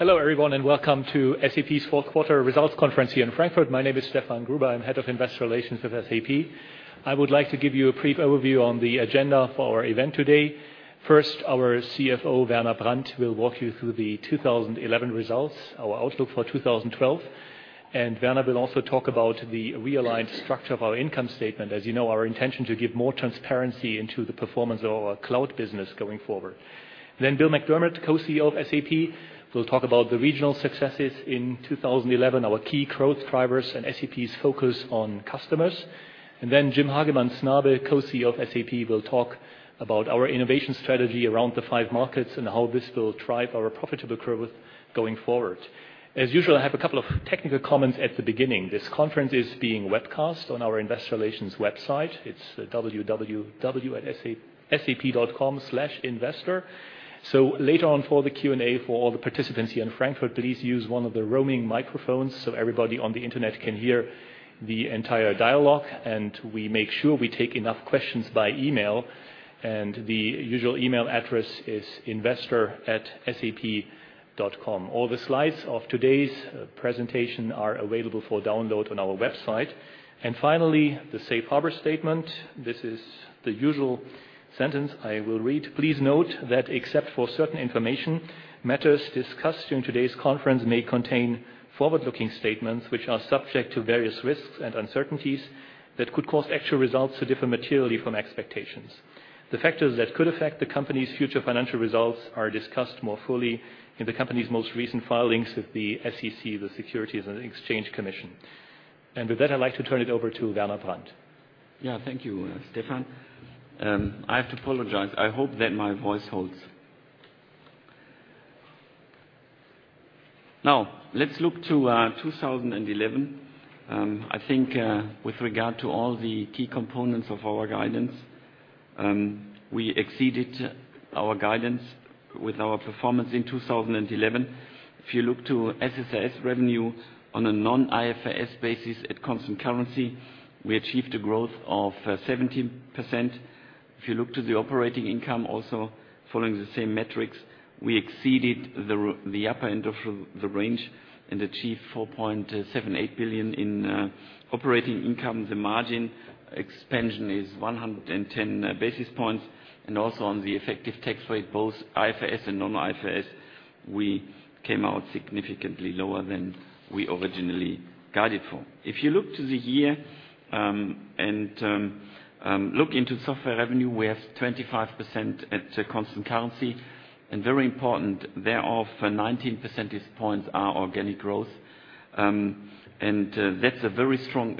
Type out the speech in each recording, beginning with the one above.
Hello everyone, and welcome to SAP's Fourth Quarter Results Conference here in Frankfurt. My name is Stefan Gruber. I'm Head of Investor Relations with SAP. I would like to give you a brief overview on the agenda for our event today. First, our CFO, Werner Brandt, will walk you through the 2011 results, our outlook for 2012, and Werner will also talk about the realigned structure of our income statement. As you know, our intention is to give more transparency into the performance of our cloud business going forward. Bill McDermott, Co-CEO of SAP, will talk about the regional successes in 2011, our key growth drivers, and SAP's focus on customers. Jim Hagemann Snabe, Co-CEO of SAP, will talk about our innovation strategy around the five markets and how this will drive our profitable growth going forward. As usual, I have a couple of technical comments at the beginning. This conference is being webcast on our investor relations website. It's www.sap.com/investor. Later on for the Q&A for all the participants here in Frankfurt, please use one of the roaming microphones so everybody on the internet can hear the entire dialogue. We make sure we take enough questions by email. The usual email address is investor@sap.com. All the slides of today's presentation are available for download on our website. Finally, the safe harbor statement. This is the usual sentence I will read. Please note that except for certain information, matters discussed during today's conference may contain forward-looking statements which are subject to various risks and uncertainties that could cause actual results to differ materially from expectations. The factors that could affect the company's future financial results are discussed more fully in the company's most recent filings with the SEC, the Securities and Exchange Commission. With that, I'd like to turn it over to Werner Brandt. Thank you, Stefan. I have to apologize. I hope that my voice holds. Now, let's look to 2011. I think with regard to all the key components of our guidance, we exceeded our guidance with our performance in 2011. If you look to SSRS revenue on a non-IFRS basis at constant currency, we achieved a growth of 17%. If you look to the operating income, also following the same metrics, we exceeded the upper end of the range and achieved 4.78 billion in operating income. The margin expansion is 110 basis points. Also, on the effective tax rate, both IFRS and non-IFRS, we came out significantly lower than we originally guided for. If you look to the year and look into software revenue, we are 25% at constant currency. Very important, thereof, 19 percentage points are organic growth. That's a very strong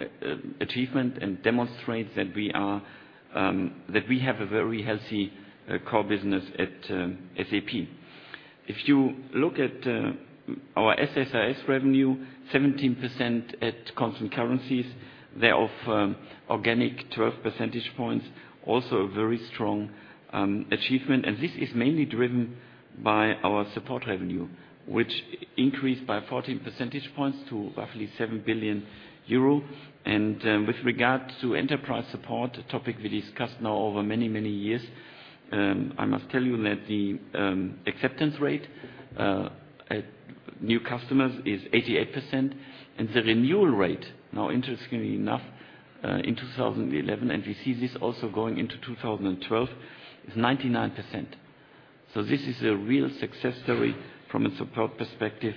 achievement and demonstrates that we have a very healthy core business at SAP. If you look at our SSRS revenue, 17% at constant currencies, thereof organic 12 percentage points, also a very strong achievement. This is mainly driven by our support revenue, which increased by 14 percentage points to roughly 7 billion euro. With regard to enterprise support, a topic we discussed now over many, many years, I must tell you that the acceptance rate at new customers is 88%. The renewal rate, interestingly enough, in 2011, and we see this also going into 2012, is 99%. This is a real success story from a support perspective,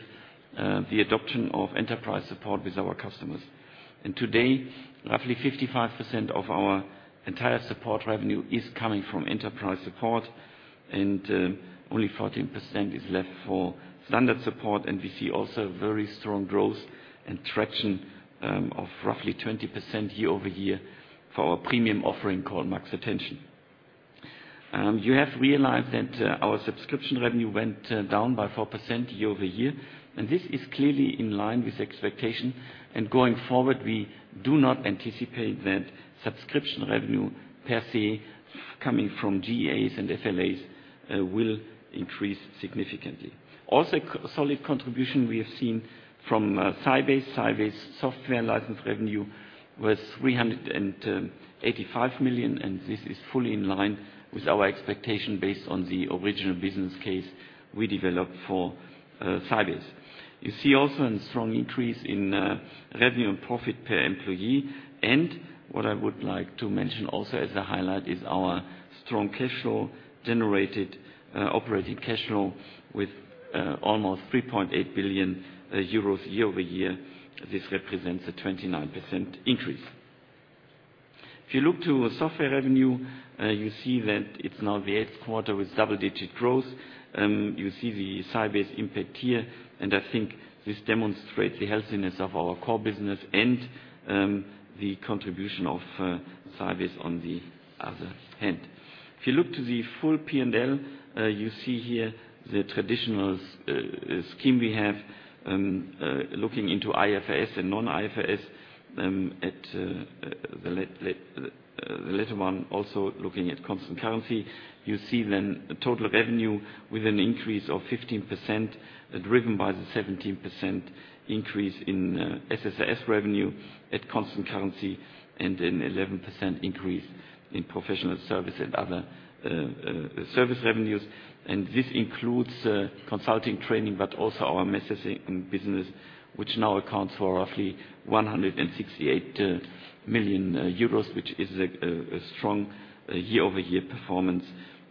the adoption of enterprise support with our customers. Today, roughly 55% of our entire support revenue is coming from enterprise support. Only 14% is left for standard support. We see also very strong growth and traction of roughly 20% year-over-year for our premium offering called MaxAttention. You have realized that our subscription revenue went down by 4% year-over-year. This is clearly in line with expectation. Going forward, we do not anticipate that subscription revenue per se coming from GAs and FLAs will increase significantly. Also, a solid contribution we have seen from Sybase. Sybase's software license revenue was 385 million. This is fully in line with our expectation based on the original business case we developed for Sybase. You see also a strong increase in revenue and profit per employee. What I would like to mention also as a highlight is our strong cash flow generated, operating cash flow with almost 3.8 billion euros year-over-year. This represents a 29% increase. If you look to software revenue, you see that it's now the eighth quarter with double-digit growth. You see the Sybase impact here. I think this demonstrates the healthiness of our core business and the contribution of Sybase on the other hand. If you look to the full P&L, you see here the traditional scheme we have looking into IFRS and non-IFRS. At the latter one, also looking at constant currency, you see then total revenue with an increase of 15% driven by the 17% increase in SSRS revenue at constant currency and an 11% increase in professional service and other service revenues. This includes consulting, training, but also our messaging business, which now accounts for roughly 168 million euros, which is a strong year-over-year performance.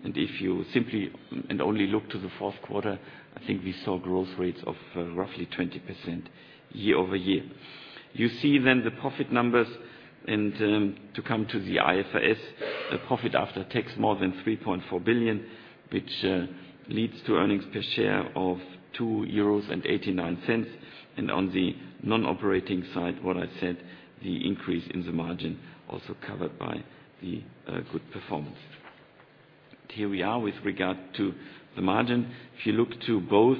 If you simply and only look to the fourth quarter, I think we saw growth rates of roughly 20% year-over-year. You see then the profit numbers. To come to the IFRS, profit after tax more than 3.4 billion, which leads to earnings per share of 2.89 euros. On the non-operating side, what I said, the increase in the margin also covered by the good performance. Here we are with regard to the margin. If you look to both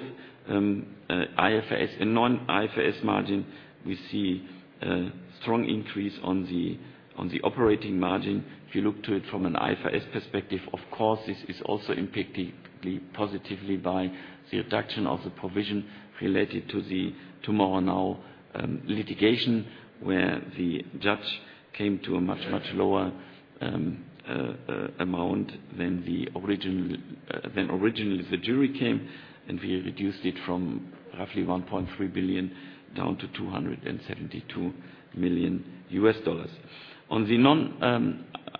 IFRS and non-IFRS margin, we see a strong increase on the operating margin. If you look to it from an IFRS perspective, of course, this is also impacted positively by the reduction of the provision related to the TomorrowNow litigation, where the judge came to a much, much lower amount than originally the jury came. We reduced it from roughly $1.3 billion down to $272 million. On the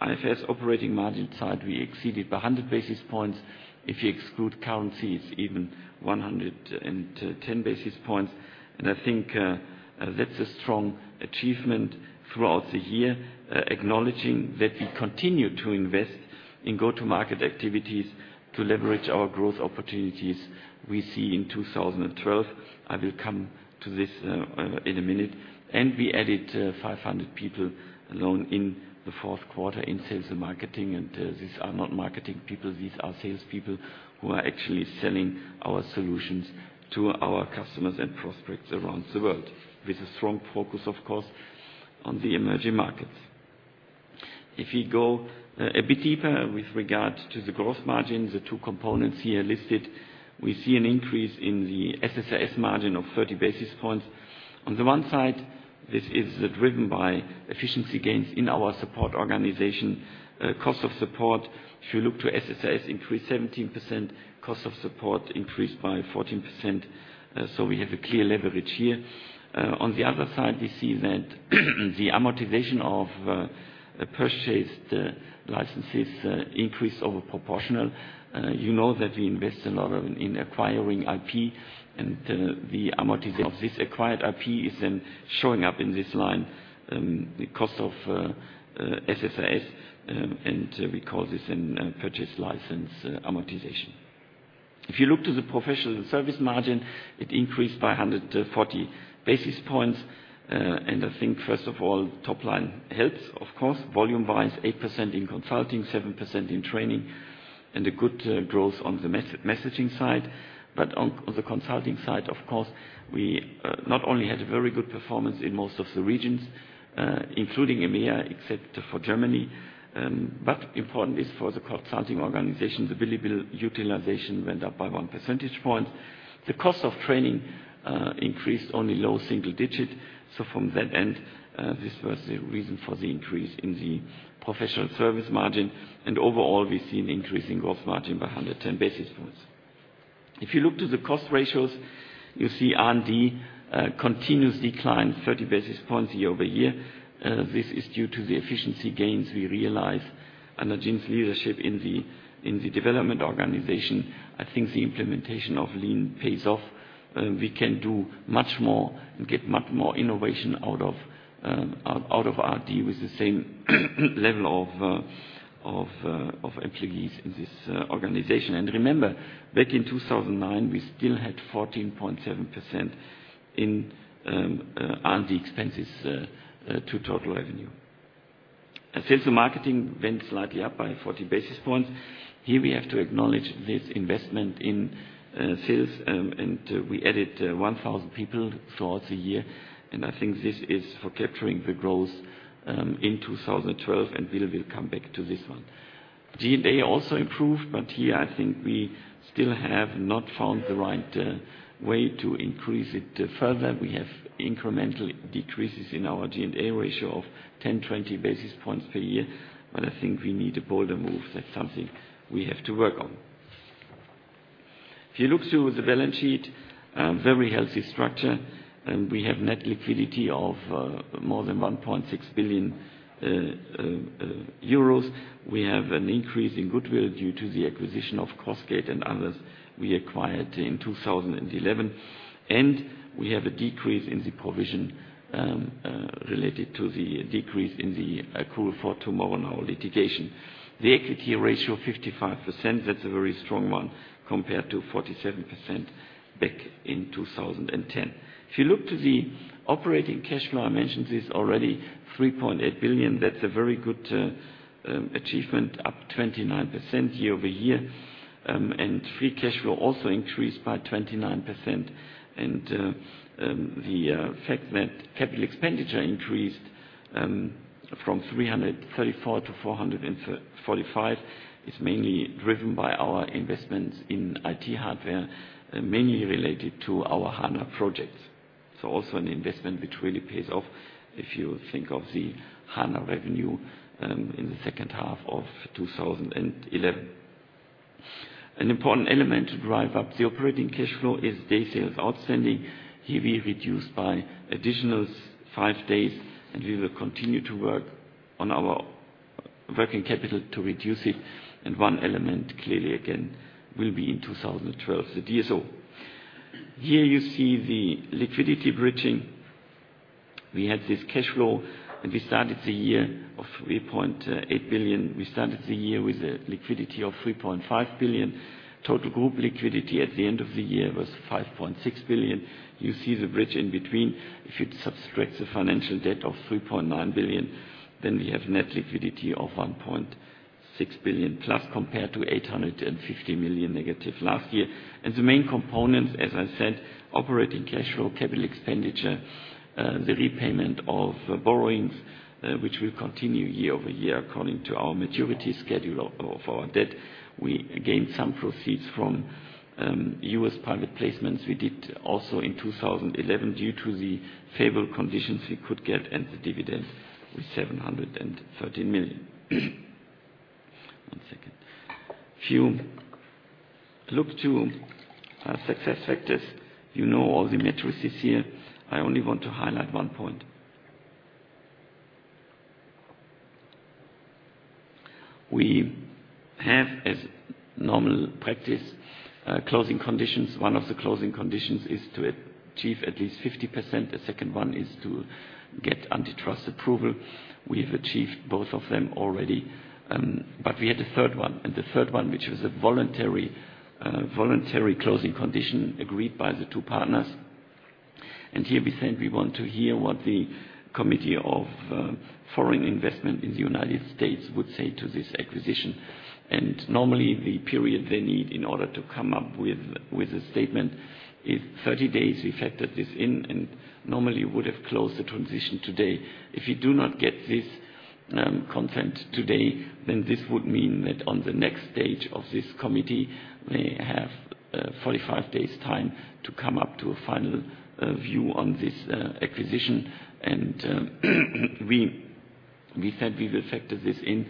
non-IFRS operating margin side, we exceeded by 100 basis points. If you exclude currencies, even 110 basis points. I think that's a strong achievement throughout the year, acknowledging that we continue to invest in go-to-market activities to leverage our growth opportunities we see in 2012. I will come to this in a minute. We added 500 people alone in the fourth quarter in sales and marketing. These are not marketing people. These are salespeople who are actually selling our solutions to our customers and prospects around the world with a strong focus, of course, on the emerging markets. If we go a bit deeper with regard to the gross margin, the two components here listed, we see an increase in the SSRS margin of 30 basis points. On the one side, this is driven by efficiency gains in our support organization. Cost of support, if you look to SSRS, increased 17%. Cost of support increased by 14%. We have a clear leverage here. On the other side, we see that the amortization of purchased licenses increased over proportional. You know that we invest a lot in acquiring IP. The amortization of this acquired IP is then showing up in this line, the cost of SSRS. We call this purchased license amortization. If you look to the professional service margin, it increased by 140 basis points. I think, first of all, top line helps, of course, volume-wise, 8% in consulting, 7% in training, and a good growth on the messaging side. On the consulting side, we not only had a very good performance in most of the regions, including EMEA, except for Germany, but important is for the consulting organizations. The billable utilization went up by one percentage point. The cost of training increased only low single digit. From that end, this was the reason for the increase in the professional service margin. Overall, we see an increase in gross margin by 110 basis points. If you look to the cost ratios, you see R&D continuously climb 30 basis points year-over-year. This is due to the efficiency gains we realize under Jim's leadership in the development organization. I think the implementation of Lean pays off. We can do much more and get much more innovation out of R&D with the same level of employees in this organization. Remember, back in 2009, we still had 14.7% in R&D expenses to total revenue. Sales and marketing went slightly up by 40 basis points. Here we have to acknowledge this investment in sales. We added 1,000 people throughout the year. I think this is for capturing the growth in 2012. We will come back to this one. G&A also improved. Here, I think we still have not found the right way to increase it further. We have incremental decreases in our G&A ratio of 10, 20 basis points per year. I think we need a bolder move. That's something we have to work on. If you look through the balance sheet, a very healthy structure. We have net liquidity of more than 1.6 billion euros. We have an increase in goodwill due to the acquisition of Crossgate and others we acquired in 2011. We have a decrease in the provision related to the decrease in the accrual for TomorrowNow litigation. The equity ratio, 55%. That's a very strong one compared to 47% back in 2010. If you look to the operating cash flow, I mentioned this already, 3.8 billion. That's a very good achievement, up 29% year-over-year. Free cash flow also increased by 29%. The fact that capital expenditure increased from 334 million to 445 million is mainly driven by our investments in IT hardware, mainly related to our HANA projects. Also an investment which really pays off if you think of the HANA revenue in the second half of 2011. An important element to drive up the operating cash flow is day sales outstanding. Here we reduced by additional five days. We will continue to work on our working capital to reduce it. One element clearly, again, will be in 2012, the DSO. Here you see the liquidity bridging. We had this cash flow. We started the year at 3.8 billion. We started the year with a liquidity of 3.5 billion. Total group liquidity at the end of the year was 5.6 billion. You see the bridge in between. If you subtract the financial debt of 3.9 billion, then we have net liquidity of +1.6 billion compared to -850 million last year. The main components, as I said, operating cash flow, capital expenditure, the repayment of borrowings, which will continue year-over-year according to our maturity schedule of our debt. We gained some proceeds from U.S. private placements we did also in 2011 due to the favorable conditions we could get. The dividend was 713 million. One second. If you look to SuccessFactors, you know all the matrices here. I only want to highlight one point. We have, as normal practice, closing conditions. One of the closing conditions is to achieve at least 50%. The second one is to get antitrust approval. We have achieved both of them already. We had a third one. The third one, which was a voluntary closing condition agreed by the two partners. Here we said we want to hear what the Committee on Foreign Investment in the United States would say to this acquisition. Normally, the period they need in order to come up with a statement is 30 days. We factored this in and normally would have closed the transition today. If we do not get this consent today, this would mean that on the next stage of this committee, they have 45 days' time to come up to a final view on this acquisition. We said we will factor this in.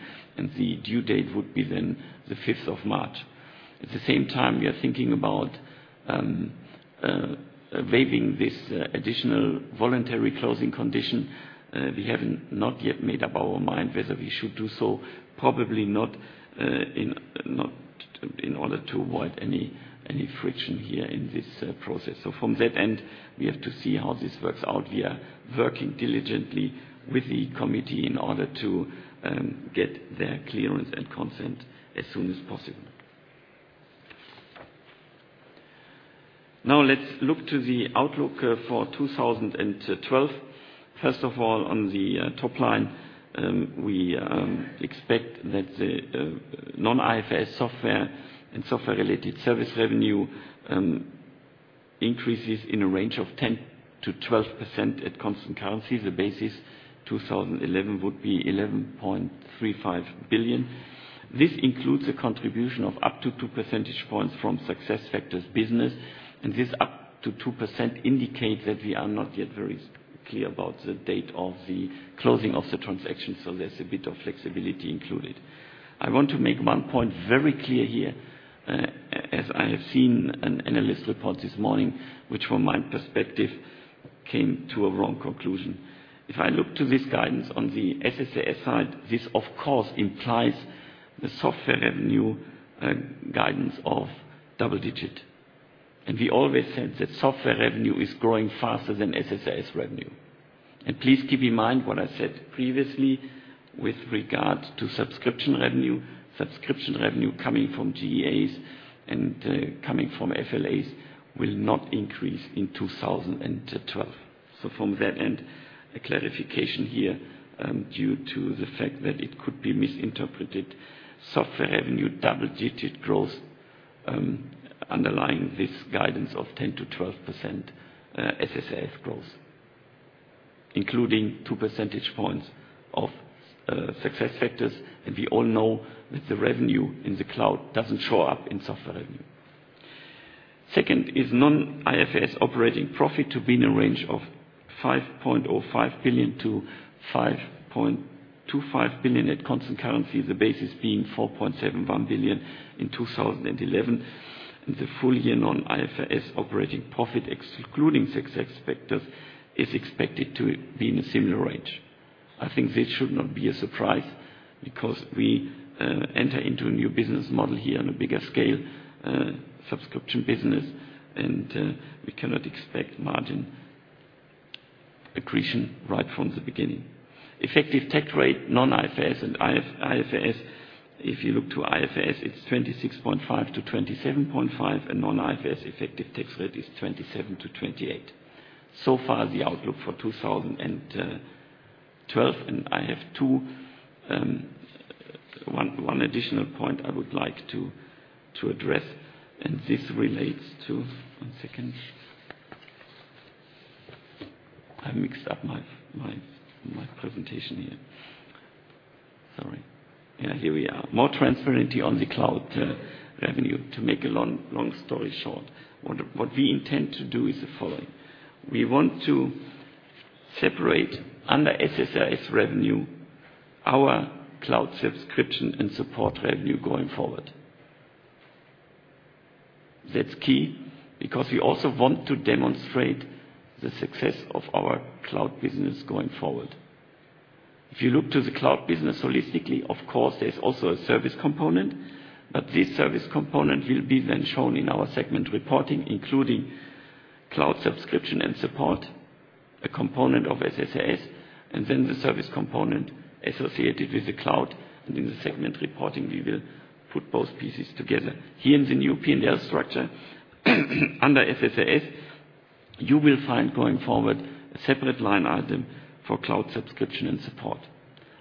The due date would be then the 5th of March. At the same time, we are thinking about waiving this additional voluntary closing condition. We have not yet made up our mind whether we should do so. Probably not in order to avoid any friction here in this process. From that end, we have to see how this works out. We are working diligently with the committee in order to get their clearance and consent as soon as possible. Now, let's look to the outlook for 2012. First of all, on the top line, we expect that the non-IFRS software and software-related service revenue increases in a range of 10%-12% at constant currency. The basis 2011 would be 11.35 billion. This includes a contribution of up to 2 percentage points from SuccessFactors business. This up to 2% indicates that we are not yet very clear about the date of the closing of the transaction, so there's a bit of flexibility included. I want to make one point very clear here, as I have seen an analyst report this morning, which from my perspective came to a wrong conclusion. If I look to this guidance on the SSRS side, this, of course, implies the software revenue guidance of double digit. We always said that software revenue is growing faster than SSRS revenue. Please keep in mind what I said previously with regard to subscription revenue. Subscription revenue coming from GAs and coming from FLAs will not increase in 2012. From that end, a clarification here due to the fact that it could be misinterpreted. Software revenue double-digit growth underlying this guidance of 10%-12% SSRS growth, including 2 percentage points of SuccessFactors. We all know that the revenue in the cloud doesn't show up in software revenue. Second is non-IFRS operating profit to be in a range of 5.05 billion-5.25 billion at constant currency. The basis being 4.71 billion in 2011. The full year non-IFRS operating profit, excluding SuccessFactors, is expected to be in a similar range. I think this should not be a surprise because we enter into a new business model here on a bigger scale, subscription business. We cannot expect margin accretion right from the beginning. Effective tax rate, non-IFRS and IFRS, if you look to IFRS, it's 26.5%-27.5%. Non-IFRS effective tax rate is 27%-28%. So far, the outlook for 2012. I have one additional point I would like to address, and this relates to, one second. I mixed up my presentation here. Sorry. Here we are. More transparency on the cloud revenue. To make a long story short, what we intend to do is the following. We want to separate under SSRS revenue our cloud subscription and support revenue going forward. That's key because we also want to demonstrate the success of our cloud business going forward. If you look to the cloud business holistically, of course, there's also a service component. This service component will then be shown in our segment reporting, including cloud subscription and support, a component of SSRS, and the service component associated with the cloud. In the segment reporting, we will put both pieces together. Here in the new P&L structure, under SSRS, you will find going forward a separate line item for cloud subscription and support.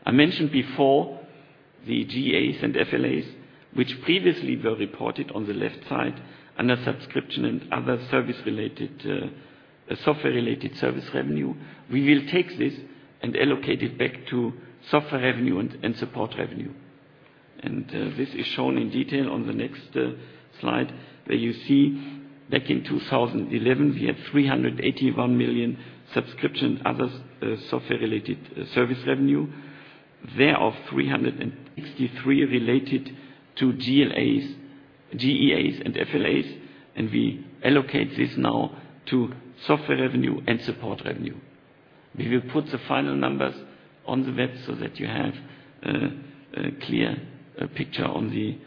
I mentioned before the GAs and FLAs, which previously were reported on the left side under subscription and other software-related service revenue. We will take this and allocate it back to software revenue and support revenue. This is shown in detail on the next slide where you see back in 2011, we had 381 million subscription and other software-related service revenue. There are 363 million related to GAs and FLAs. We allocate this now to software revenue and support revenue. We will put the final numbers on the web so that you have a clear picture on the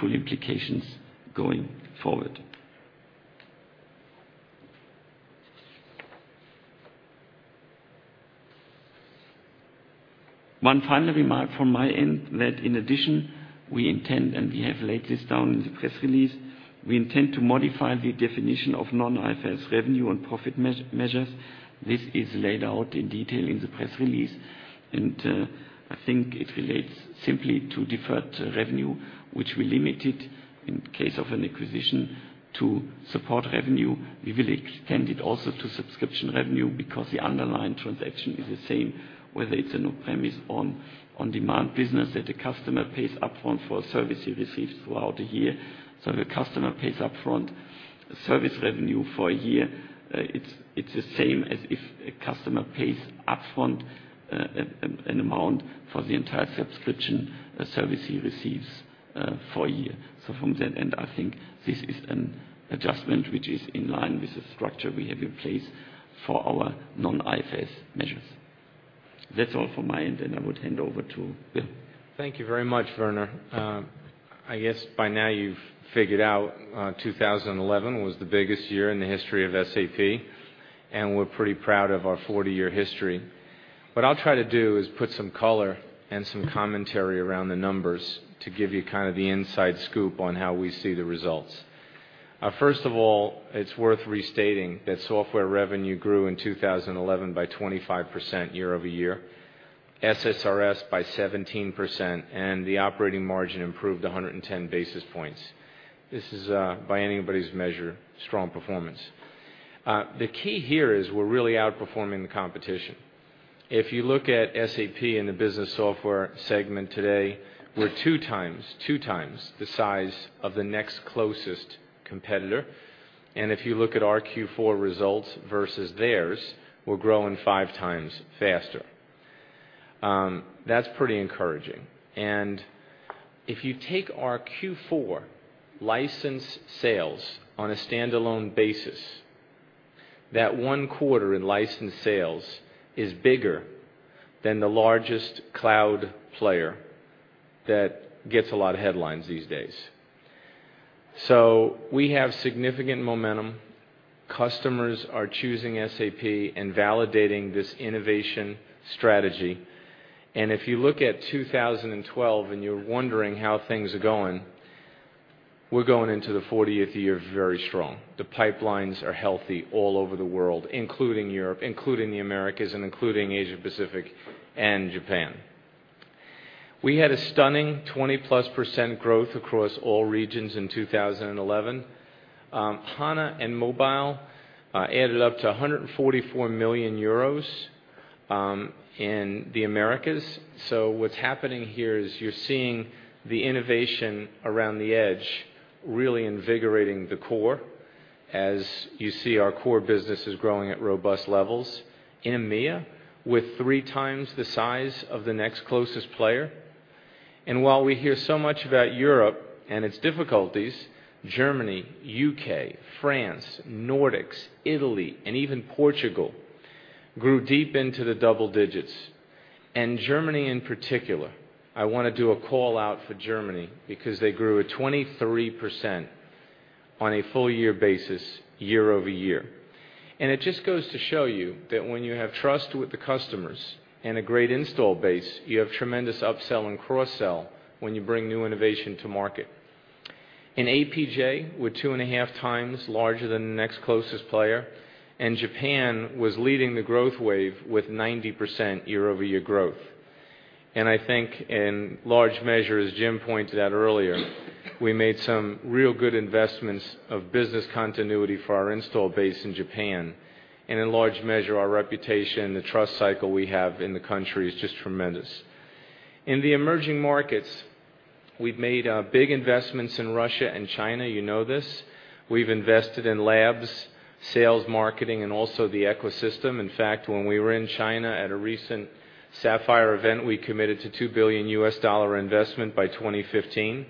full implications going forward. One final remark from my end, in addition, we intend, and we have laid this down in the press release, we intend to modify the definition of non-IFRS revenue and profit measures. This is laid out in detail in the press release. I think it relates simply to deferred revenue, which we limited in case of an acquisition to support revenue. We will extend it also to subscription revenue because the underlying transaction is the same, whether it's an on-premise or on-demand business, that the customer pays upfront for a service he receives throughout the year. If a customer pays upfront a service revenue for a year, it's the same as if a customer pays upfront an amount for the entire subscription service he receives for a year. From that end, I think this is an adjustment which is in line with the structure we have in place for our non-IFRS measures. That's all from my end. I would hand over to Bill. Thank you very much, Werner. I guess by now you've figured out 2011 was the biggest year in the history of SAP. We're pretty proud of our 40-year history. What I'll try to do is put some color and some commentary around the numbers to give you kind of the inside scoop on how we see the results. First of all, it's worth restating that software revenue grew in 2011 by 25% year-over-year, SSRS by 17%, and the operating margin improved 110 basis points. This is, by anybody's measure, strong performance. The key here is we're really outperforming the competition. If you look at SAP in the business software segment today, we're 2x, 2x the size of the next closest competitor. If you look at our Q4 results versus theirs, we're growing 5x faster. That's pretty encouraging. If you take our Q4 license sales on a standalone basis, that one quarter in license sales is bigger than the largest cloud player that gets a lot of headlines these days. We have significant momentum. Customers are choosing SAP and validating this innovation strategy. If you look at 2012 and you're wondering how things are going, we're going into the 40th year very strong. The pipelines are healthy all over the world, including Europe, including the Americas, and including Asia-Pacific and Japan. We had a stunning 20%+ growth across all regions in 2011. HANA and Mobile added up to 144 million euros in the Americas. What's happening here is you're seeing the innovation around the edge really invigorating the core, as you see our core business is growing at robust levels. EMEA with 3x the size of the next closest player. While we hear so much about Europe and its difficulties, Germany, U.K., France, Nordics, Italy, and even Portugal grew deep into the double digits. Germany in particular, I want to do a call out for Germany because they grew at 23% on a full-year basis year-over-year. It just goes to show you that when you have trust with the customers and a great install base, you have tremendous upsell and cross-sell when you bring new innovation to market. In APJ, we're 2.5x larger than the next closest player. Japan was leading the growth wave with 90% year-over-year growth. I think in large measure, as Jim pointed out earlier, we made some real good investments of business continuity for our install base in Japan. In large measure, our reputation and the trust cycle we have in the country is just tremendous. In the emerging markets, we've made big investments in Russia and China. You know this. We've invested in labs, sales, marketing, and also the ecosystem. In fact, when we were in China at a recent Sapphire event, we committed to a $2 billion investment by 2015.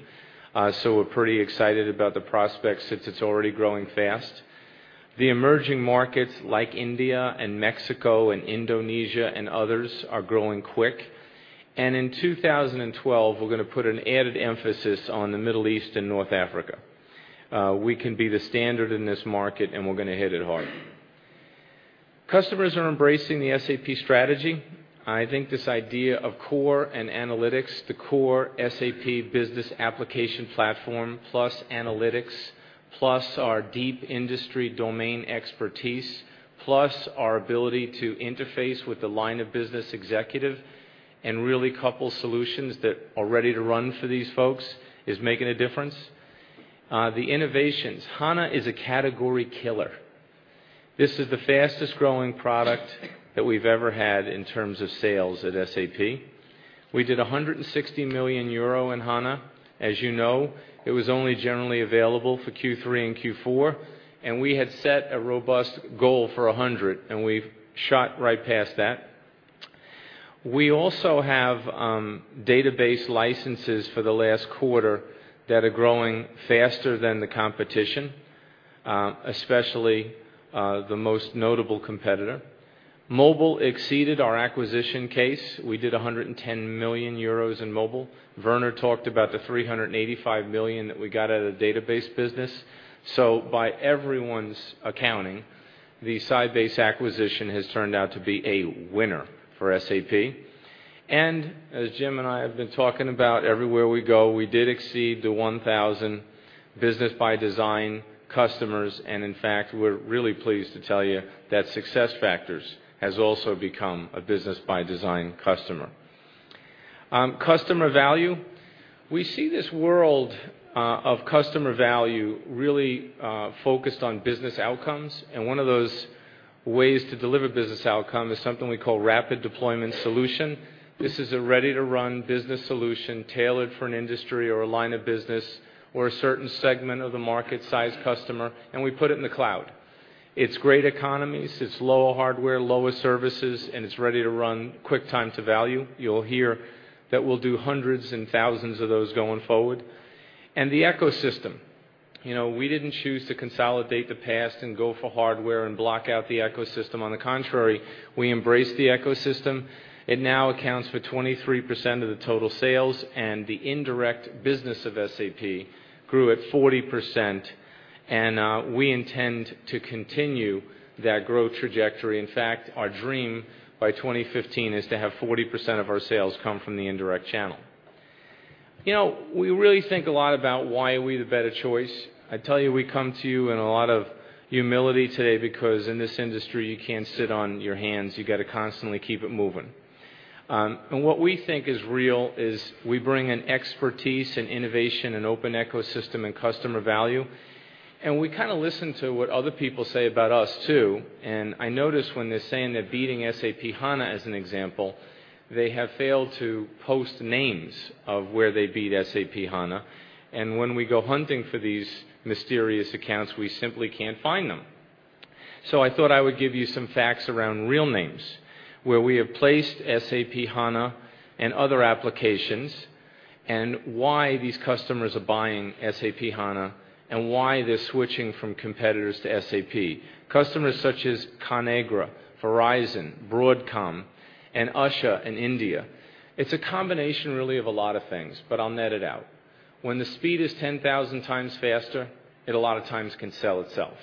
We're pretty excited about the prospects since it's already growing fast. The emerging markets like India and Mexico and Indonesia and others are growing quick. In 2012, we're going to put an added emphasis on the Middle East and North Africa. We can be the standard in this market, and we're going to hit it hard. Customers are embracing the SAP strategy. I think this idea of core and analytics, the core SAP business application platform plus analytics plus our deep industry domain expertise plus our ability to interface with the line of business executive and really couple solutions that are ready to run for these folks is making a difference. The innovations, HANA is a category killer. This is the fastest growing product that we've ever had in terms of sales at SAP. We did 160 million euro in HANA. As you know, it was only generally available for Q3 and Q4. We had set a robust goal for 100 million, and we shot right past that. We also have database licenses for the last quarter that are growing faster than the competition, especially the most notable competitor. Mobile exceeded our acquisition case. We did 110 million euros in Mobile. Werner talked about the 385 million that we got out of the database business. By everyone's accounting, the Sybase acquisition has turned out to be a winner for SAP. As Jim and I have been talking about, everywhere we go, we did exceed the 1,000 Business ByDesign customers. In fact, we're really pleased to tell you that SuccessFactors has also become a Business ByDesign customer. Customer value, we see this world of customer value really focused on business outcomes. One of those ways to deliver business outcomes is something we call rapid deployment solution. This is a ready-to-run business solution tailored for an industry or a line of business or a certain segment of the market size customer. We put it in the cloud. It's great economies. It's low hardware, low services, and it's ready to run quick time to value. You'll hear that we'll do hundreds and thousands of those going forward. The ecosystem, you know, we didn't choose to consolidate the past and go for hardware and block out the ecosystem. On the contrary, we embraced the ecosystem. It now accounts for 23% of the total sales. The indirect business of SAP grew at 40%. We intend to continue that growth trajectory. In fact, our dream by 2015 is to have 40% of our sales come from the indirect channel. You know, we really think a lot about why are we the better choice. I tell you, we come to you in a lot of humility today because in this industry, you can't sit on your hands. You got to constantly keep it moving. What we think is real is we bring an expertise and innovation and open ecosystem and customer value. We kind of listen to what other people say about us too. I notice when they're saying they're beating SAP HANA as an example, they have failed to post names of where they beat SAP HANA. When we go hunting for these mysterious accounts, we simply can't find them. I thought I would give you some facts around real names where we have placed SAP HANA and other applications and why these customers are buying SAP HANA and why they're switching from competitors to SAP. Customers such as Conagra, Verizon, Broadcom, and Usher in India. It's a combination really of a lot of things. I'll net it out. When the speed is 10,000x faster, it a lot of times can sell itself.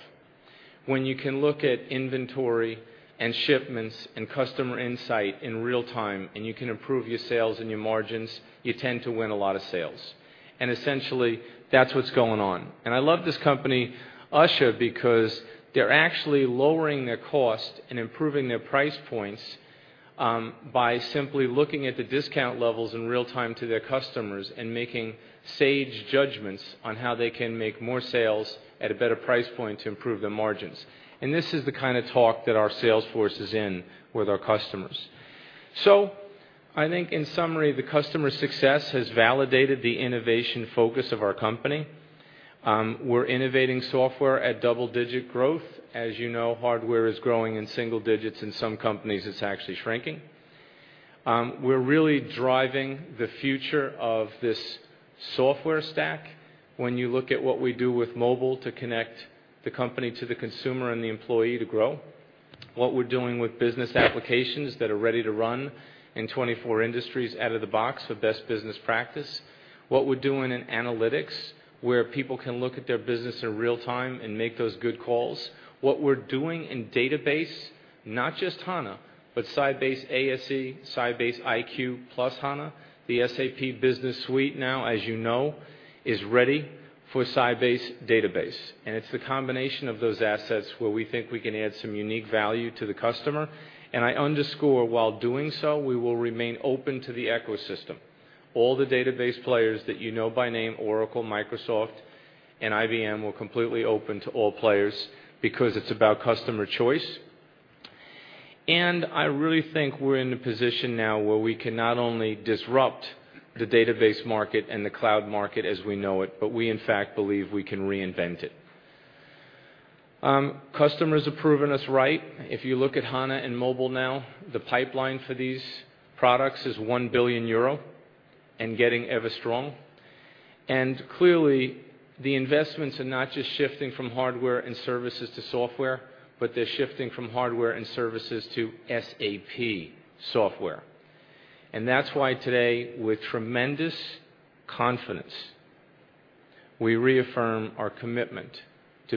When you can look at inventory and shipments and customer insight in real time and you can improve your sales and your margins, you tend to win a lot of sales. Essentially, that's what's going on. I love this company, Usher, because they're actually lowering their cost and improving their price points by simply looking at the discount levels in real time to their customers and making sage judgments on how they can make more sales at a better price point to improve their margins. This is the kind of talk that our sales force is in with our customers. I think in summary, the customer success has validated the innovation focus of our company. We're innovating software at double-digit growth. As you know, hardware is growing in single digits. In some companies, it's actually shrinking. We're really driving the future of this software stack. When you look at what we do with Mobile to connect the company to the consumer and the employee to grow, what we're doing with business applications that are ready to run in 24 industries out of the box for best business practice, what we're doing in analytics where people can look at their business in real time and make those good calls, what we're doing in database, not just HANA, but Sybase ASE, Sybase IQ plus HANA, the SAP Business Suite now, as you know, is ready for Sybase database. It's the combination of those assets where we think we can add some unique value to the customer. I underscore, while doing so, we will remain open to the ecosystem. All the database players that you know by name, Oracle, Microsoft, and IBM, we're completely open to all players because it's about customer choice. I really think we're in a position now where we can not only disrupt the database market and the cloud market as we know it, but we, in fact, believe we can reinvent it. Customers have proven us right. If you look at HANA and Mobile now, the pipeline for these products is 1 billion euro and getting ever stronger. Clearly, the investments are not just shifting from hardware and services to software, but they're shifting from hardware and services to SAP software. That's why today, with tremendous confidence, we reaffirm our commitment to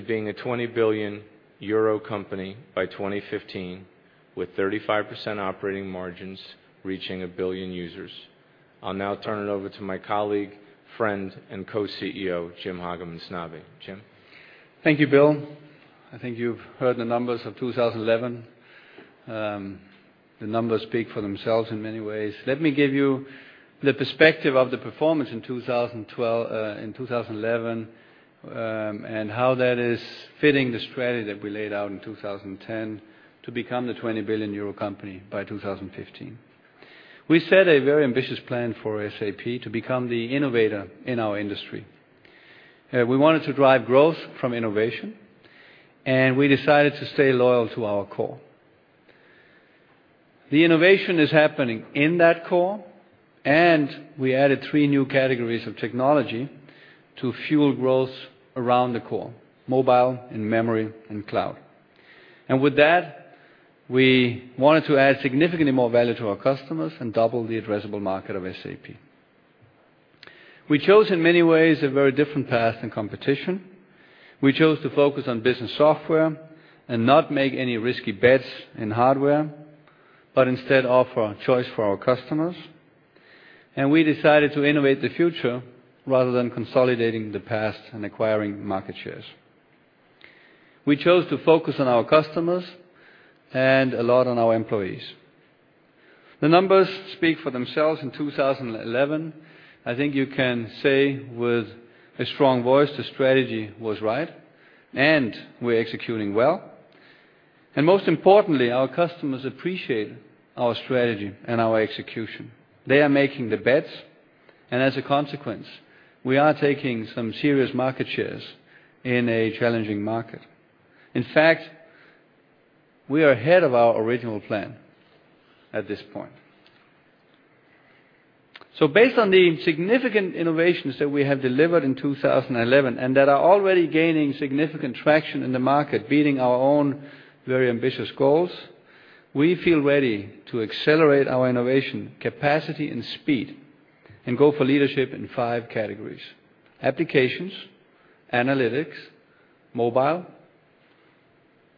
being a 20 billion euro company by 2015 with 35% operating margins reaching a billion users. I'll now turn it over to my colleague, friend, and Co-CEO, Jim Hagemann Snabe. Jim. Thank you, Bill. I think you've heard the numbers of 2011. The numbers speak for themselves in many ways. Let me give you the perspective of the performance in 2011 and how that is fitting the strategy that we laid out in 2010 to become the 20 billion euro company by 2015. We set a very ambitious plan for SAP to become the innovator in our industry. We wanted to drive growth from innovation, and we decided to stay loyal to our core. The innovation is happening in that core, and we added three new categories of technology to fuel growth around the core: mobile, in-memory, and cloud. With that, we wanted to add significantly more value to our customers and double the addressable market of SAP. We chose in many ways a very different path than competition. We chose to focus on business software and not make any risky bets in hardware, but instead offer a choice for our customers. We decided to innovate the future rather than consolidating the past and acquiring market shares. We chose to focus on our customers and a lot on our employees. The numbers speak for themselves in 2011. I think you can say with a strong voice the strategy was right, and we're executing well. Most importantly, our customers appreciate our strategy and our execution. They are making the bets, and as a consequence, we are taking some serious market shares in a challenging market. In fact, we are ahead of our original plan at this point. Based on the significant innovations that we have delivered in 2011 and that are already gaining significant traction in the market, beating our own very ambitious goals, we feel ready to accelerate our innovation capacity and speed and go for leadership in five categories: applications, analytics, mobile,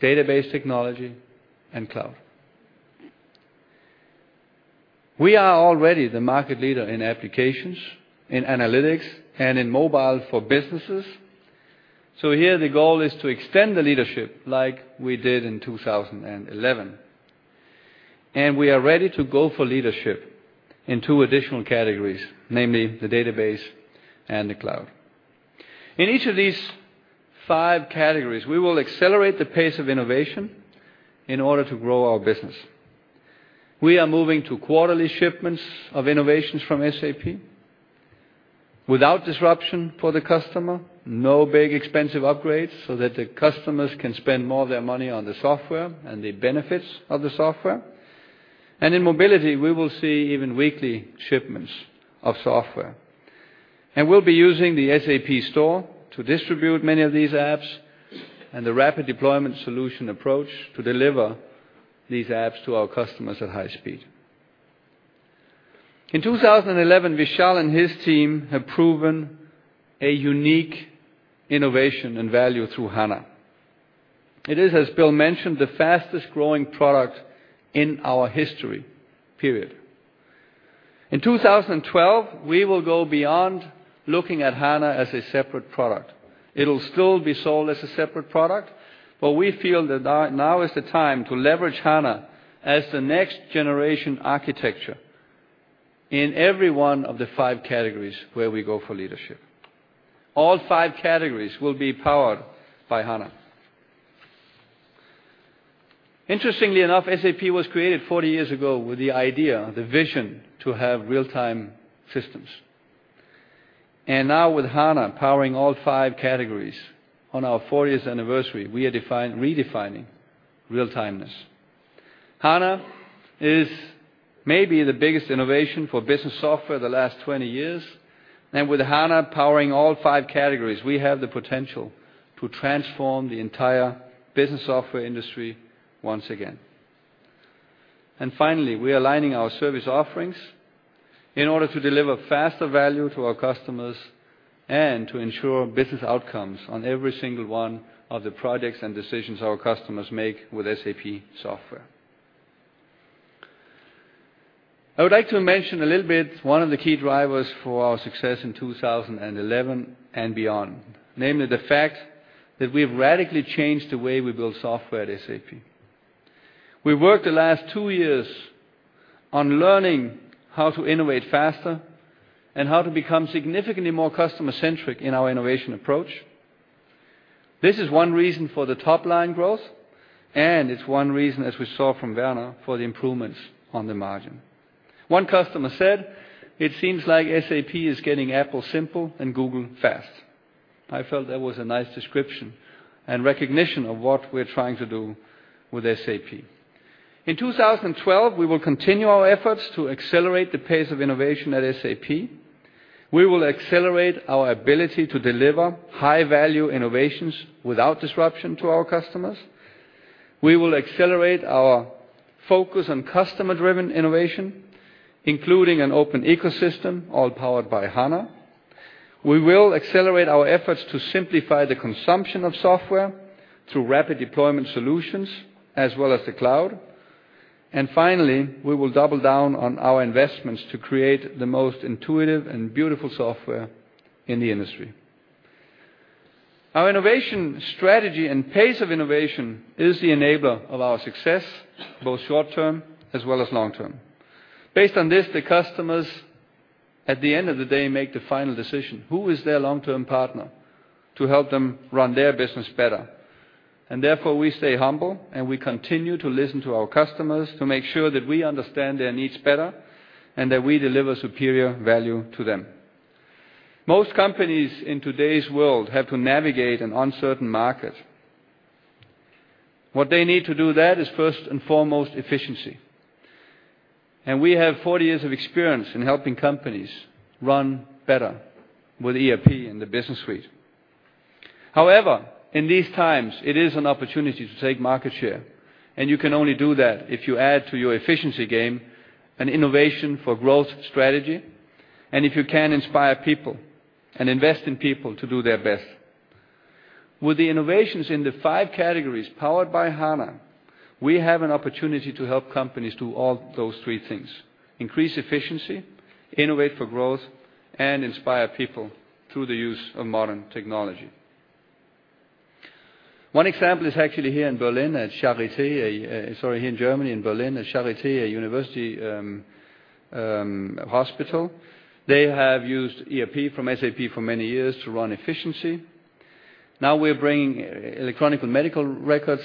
database technology, and cloud. We are already the market leader in applications, in analytics, and in mobile for businesses. Here, the goal is to extend the leadership like we did in 2011. We are ready to go for leadership in two additional categories, namely the database and the cloud. In each of these five categories, we will accelerate the pace of innovation in order to grow our business. We are moving to quarterly shipments of innovations from SAP without disruption for the customer, no big expensive upgrades so that the customers can spend more of their money on the software and the benefits of the software. In mobility, we will see even weekly shipments of software. We will be using the SAP store to distribute many of these apps and the rapid deployment solution approach to deliver these apps to our customers at high speed. In 2011, Vishal and his team have proven a unique innovation and value through HANA. It is, as Bill mentioned, the fastest growing product in our history, period. In 2012, we will go beyond looking at HANA as a separate product. It will still be sold as a separate product, but we feel that now is the time to leverage HANA as the next generation architecture in every one of the five categories where we go for leadership. All five categories will be powered by HANA. Interestingly enough, SAP was created 40 years ago with the idea, the vision to have real-time systems. Now, with HANA powering all five categories on our 40th anniversary, we are redefining real-time. HANA is maybe the biggest innovation for business software in the last 20 years. With HANA powering all five categories, we have the potential to transform the entire business software industry once again. Finally, we are aligning our service offerings in order to deliver faster value to our customers and to ensure business outcomes on every single one of the projects and decisions our customers make with SAP software. I would like to mention a little bit one of the key drivers for our success in 2011 and beyond, namely the fact that we have radically changed the way we build software at SAP. We worked the last two years on learning how to innovate faster and how to become significantly more customer-centric in our innovation approach. This is one reason for the top line growth, and it's one reason, as we saw from Werner, for the improvements on the margin. One customer said, it seems like SAP is getting Apple simple and Google fast. I felt that was a nice description and recognition of what we're trying to do with SAP. In 2012, we will continue our efforts to accelerate the pace of innovation at SAP. We will accelerate our ability to deliver high-value innovations without disruption to our customers. We will accelerate our focus on customer-driven innovation, including an open ecosystem all powered by HANA. We will accelerate our efforts to simplify the consumption of software through rapid deployment solutions, as well as the cloud. Finally, we will double down on our investments to create the most intuitive and beautiful software in the industry. Our innovation strategy and pace of innovation is the enabler of our success, both short term as well as long term. Based on this, the customers, at the end of the day, make the final decision. Who is their long-term partner to help them run their business better? Therefore, we stay humble. We continue to listen to our customers to make sure that we understand their needs better and that we deliver superior value to them. Most companies in today's world have to navigate an uncertain market. What they need to do that is, first and foremost, efficiency. We have 40 years of experience in helping companies run better with ERP in the business suite. However, in these times, it is an opportunity to take market share. You can only do that if you add to your efficiency game an innovation for growth strategy. If you can inspire people and invest in people to do their best. With the innovations in the five categories powered by HANA, we have an opportunity to help companies do all those three things: increase efficiency, innovate for growth, and inspire people through the use of modern technology. One example is actually here in Berlin at Charité, sorry, here in Germany, in Berlin at Charité, a university hospital. They have used ERP from SAP for many years to run efficiency. Now, we're bringing electronic medical records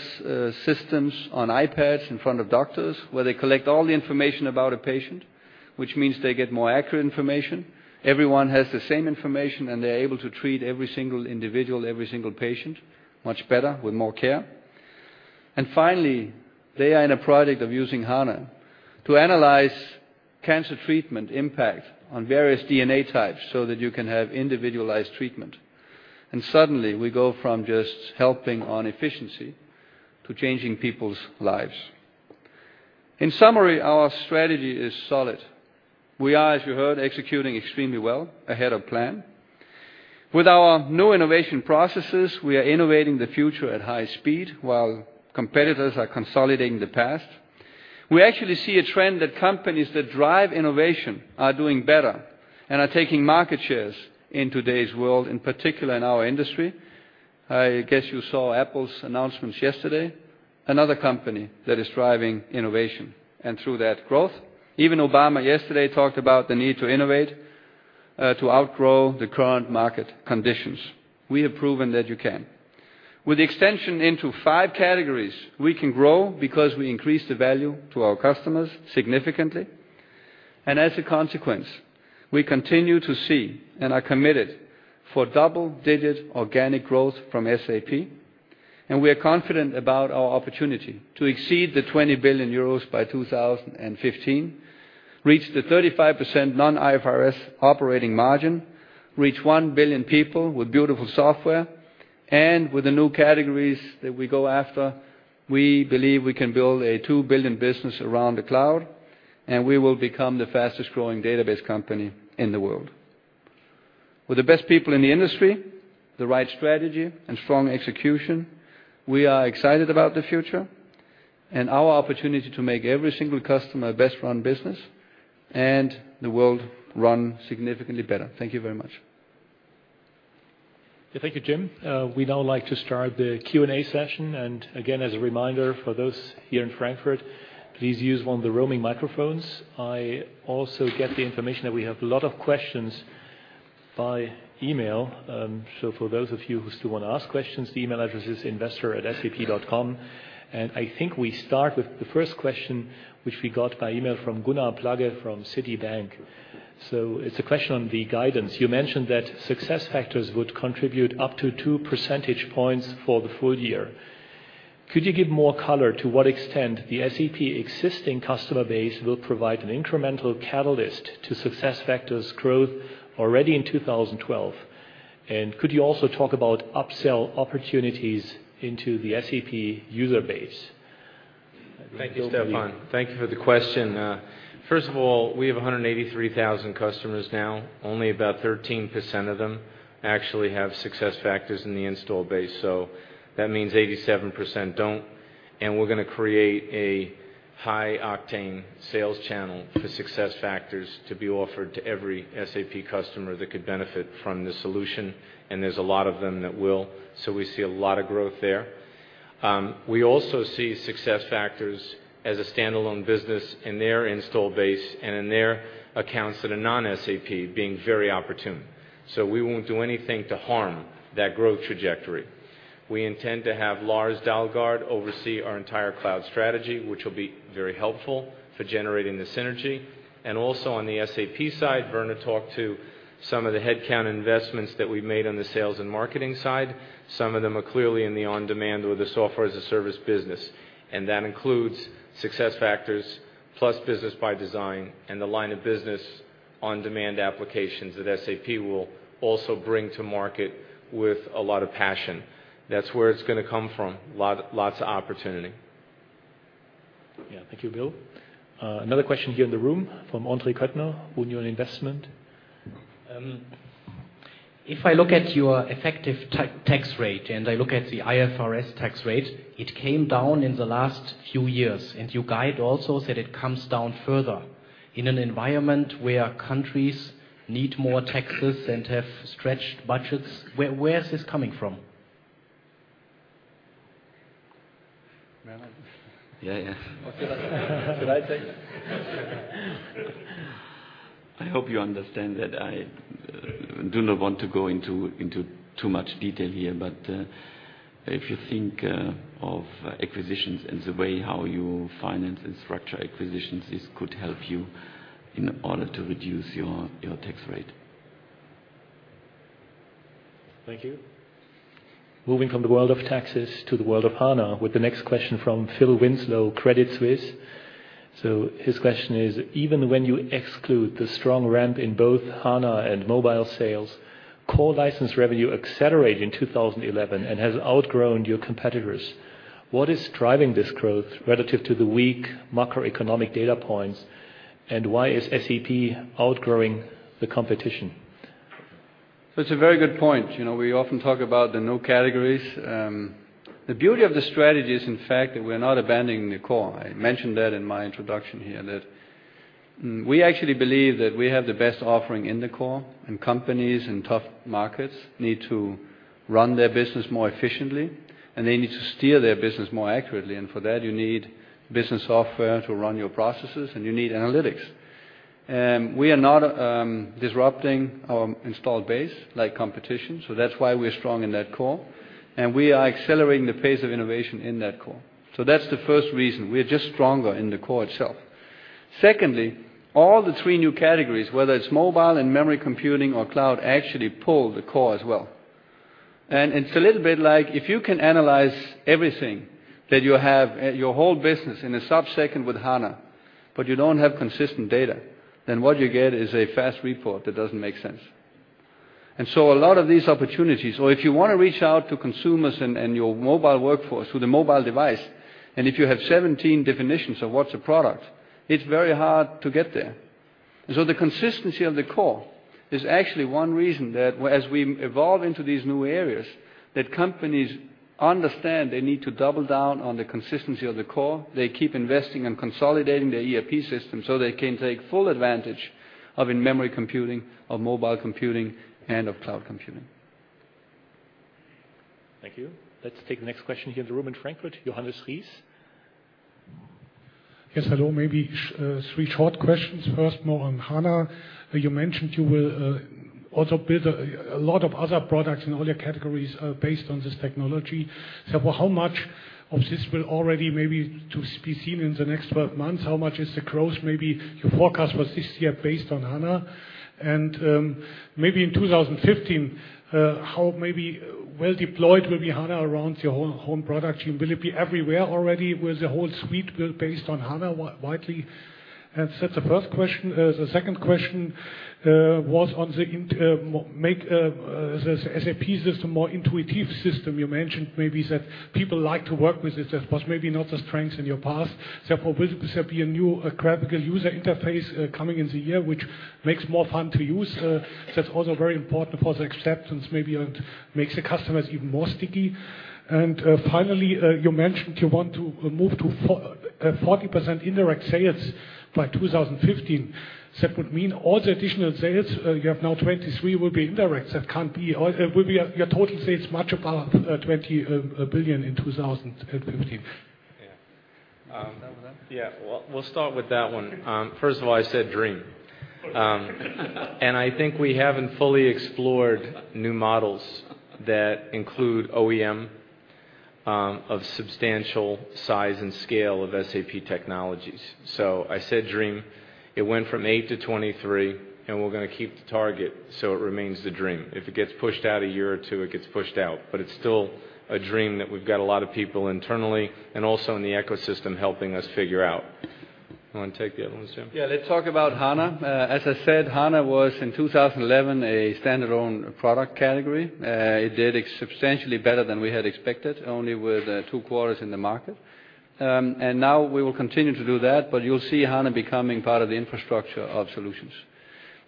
systems on iPads in front of doctors where they collect all the information about a patient, which means they get more accurate information. Everyone has the same information. They're able to treat every single individual, every single patient much better with more care. Finally, they are in a project of using HANA to analyze cancer treatment impact on various DNA types so that you can have individualized treatment. Suddenly, we go from just helping on efficiency to changing people's lives. In summary, our strategy is solid. We are, as you heard, executing extremely well, ahead of plan. With our new innovation processes, we are innovating the future at high speed while competitors are consolidating the past. We actually see a trend that companies that drive innovation are doing better and are taking market shares in today's world, in particular in our industry. I guess you saw Apple's announcements yesterday, another company that is driving innovation. Through that growth, even Obama yesterday talked about the need to innovate to outgrow the current market conditions. We have proven that you can. With the extension into five categories, we can grow because we increase the value to our customers significantly. As a consequence, we continue to see and are committed for double-digit organic growth from SAP. We are confident about our opportunity to exceed 20 billion euros by 2015, reach the 35% non-IFRS operating margin, reach 1 billion people with beautiful software. With the new categories that we go after, we believe we can build a $2 billion business around the cloud. We will become the fastest growing database company in the world. With the best people in the industry, the right strategy, and strong execution, we are excited about the future and our opportunity to make every single customer a best-run business and the world run significantly better. Thank you very much. Thank you, Jim. We now like to start the Q&A session. As a reminder for those here in Frankfurt, please use one of the roaming microphones. I also get the information that we have a lot of questions by email. For those of you who still want to ask questions, the email address is investor@sap.com. I think we start with the first question, which we got by email from Gunnar Plagge from Citibank. It's a question on the guidance. You mentioned that SuccessFactors would contribute up to 2% for the full year. Could you give more color to what extent the SAP existing customer base will provide an incremental catalyst to SuccessFactors growth already in 2012? Could you also talk about upsell opportunities into the SAP user base? Thank you, Stefan. Thank you for the question. First of all, we have 183,000 customers now. Only about 13% of them actually have SuccessFactors in the install base. That means 87% don't. We are going to create a high octane sales channel for SuccessFactors to be offered to every SAP customer that could benefit from the solution. There are a lot of them that will. We see a lot of growth there. We also see SuccessFactors as a standalone business in their install base and in their accounts that are non-SAP being very opportune. We won't do anything to harm that growth trajectory. We intend to have Lars Dalgaard oversee our entire cloud strategy, which will be very helpful for generating the synergy. Also, on the SAP side, Werner talked to some of the headcount investments that we've made on the sales and marketing side. Some of them are clearly in the on-demand or the software as a service business. That includes SuccessFactors plus Business ByDesign and the line of business on-demand applications that SAP will also bring to market with a lot of passion. That's where it's going to come from, lots of opportunity. Yeah, thank you, Bill. Another question here in the room from Andre Köttner of Union Investment. If I look at your effective tax rate and I look at the IFRS tax rate, it came down in the last few years. Your guide also said it comes down further. In an environment where countries need more taxes and have stretched budgets, where is this coming from? Werner? Yeah, yeah. I hope you understand that I do not want to go into too much detail here. If you think of acquisitions and the way how you finance and structure acquisitions, this could help you in order to reduce your tax rate. Thank you. Moving from the world of taxes to the world of HANA with the next question from Phil Winslow, Credit Suisse. His question is, even when you exclude the strong ramp in both HANA and mobile sales, core license revenue accelerated in 2011 and has outgrown your competitors. What is driving this growth relative to the weak macroeconomic data points? Why is SAP outgrowing the competition? That's a very good point. You know, we often talk about the new categories. The beauty of the strategy is, in fact, that we are not abandoning the core. I mentioned that in my introduction here, that we actually believe that we have the best offering in the core. Companies in tough markets need to run their business more efficiently. They need to steer their business more accurately. For that, you need business software to run your processes, and you need analytics. We are not disrupting our installed base like competition. That's why we're strong in that core, and we are accelerating the pace of innovation in that core. That's the first reason. We're just stronger in the core itself. Secondly, all the three new categories, whether it's mobile and memory computing or cloud, actually pull the core as well. It's a little bit like if you can analyze everything that you have, your whole business in a subsecond with HANA, but you don't have consistent data, then what you get is a fast report that doesn't make sense. A lot of these opportunities, or if you want to reach out to consumers and your mobile workforce with a mobile device, and if you have 17 definitions of what's a product, it's very hard to get there. The consistency of the core is actually one reason that as we evolve into these new areas, companies understand they need to double down on the consistency of the core. They keep investing and consolidating their ERP system so they can take full advantage of memory computing, of mobile computing, and of cloud computing. Thank you. Let's take the next question here in the room in Frankfurt, Johannes Ries. Yes, hello. Maybe three short questions. First, more on HANA. You mentioned you will also build a lot of other products in all your categories based on this technology. How much of this will already maybe be seen in the next 12 months? How much is the growth maybe your forecast for this year based on HANA? In 2015, how maybe well deployed will be HANA around your home product team? Will it be everywhere already? Will the whole suite be based on HANA widely? That's the first question. The second question was on the SAP system, more intuitive system. You mentioned maybe that people like to work with it. That was maybe not the strength in your past. Will there be a new graphical user interface coming in the year, which makes it more fun to use? That's also very important for the acceptance maybe and makes the customers even more sticky. Finally, you mentioned you want to move to 40% indirect sales by 2015. That would mean all the additional sales you have now, 23%, will be indirect. That can't be your total sales much above 20 billion in 2015. Yeah. We'll start with that one. First of all, I said dream. I think we haven't fully explored new models that include OEM of substantial size and scale of SAP technologies. I said dream. It went from 8% to 23%. We're going to keep the target. It remains the dream. If it gets pushed out a year or two, it gets pushed out. It's still a dream that we've got a lot of people internally and also in the ecosystem helping us figure out. You want to take the other one, Jim? Let's talk about HANA. As I said, HANA was in 2011 a standalone product category. It did substantially better than we had expected, only with two quarters in the market. We will continue to do that. You'll see HANA becoming part of the infrastructure of solutions.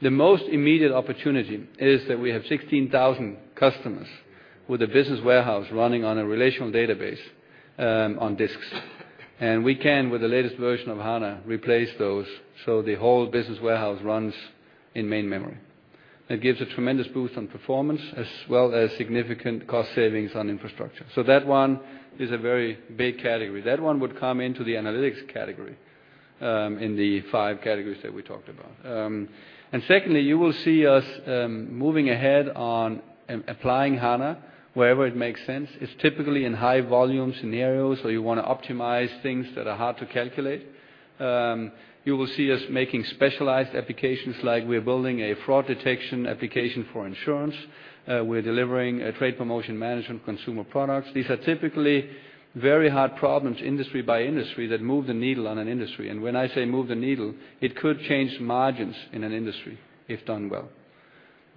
The most immediate opportunity is that we have 16,000 customers with a business warehouse running on a relational database on disks. We can, with the latest version of HANA, replace those. The whole business warehouse runs in main memory. That gives a tremendous boost on performance, as well as significant cost savings on infrastructure. That one is a very big category. That one would come into the analytics category in the five categories that we talked about. Secondly, you will see us moving ahead on applying HANA wherever it makes sense. It's typically in high volume scenarios where you want to optimize things that are hard to calculate. You will see us making specialized applications, like we're building a fraud detection application for insurance. We're delivering a trade promotion management consumer products. These are typically very hard problems, industry by industry, that move the needle on an industry. When I say move the needle, it could change margins in an industry if done well.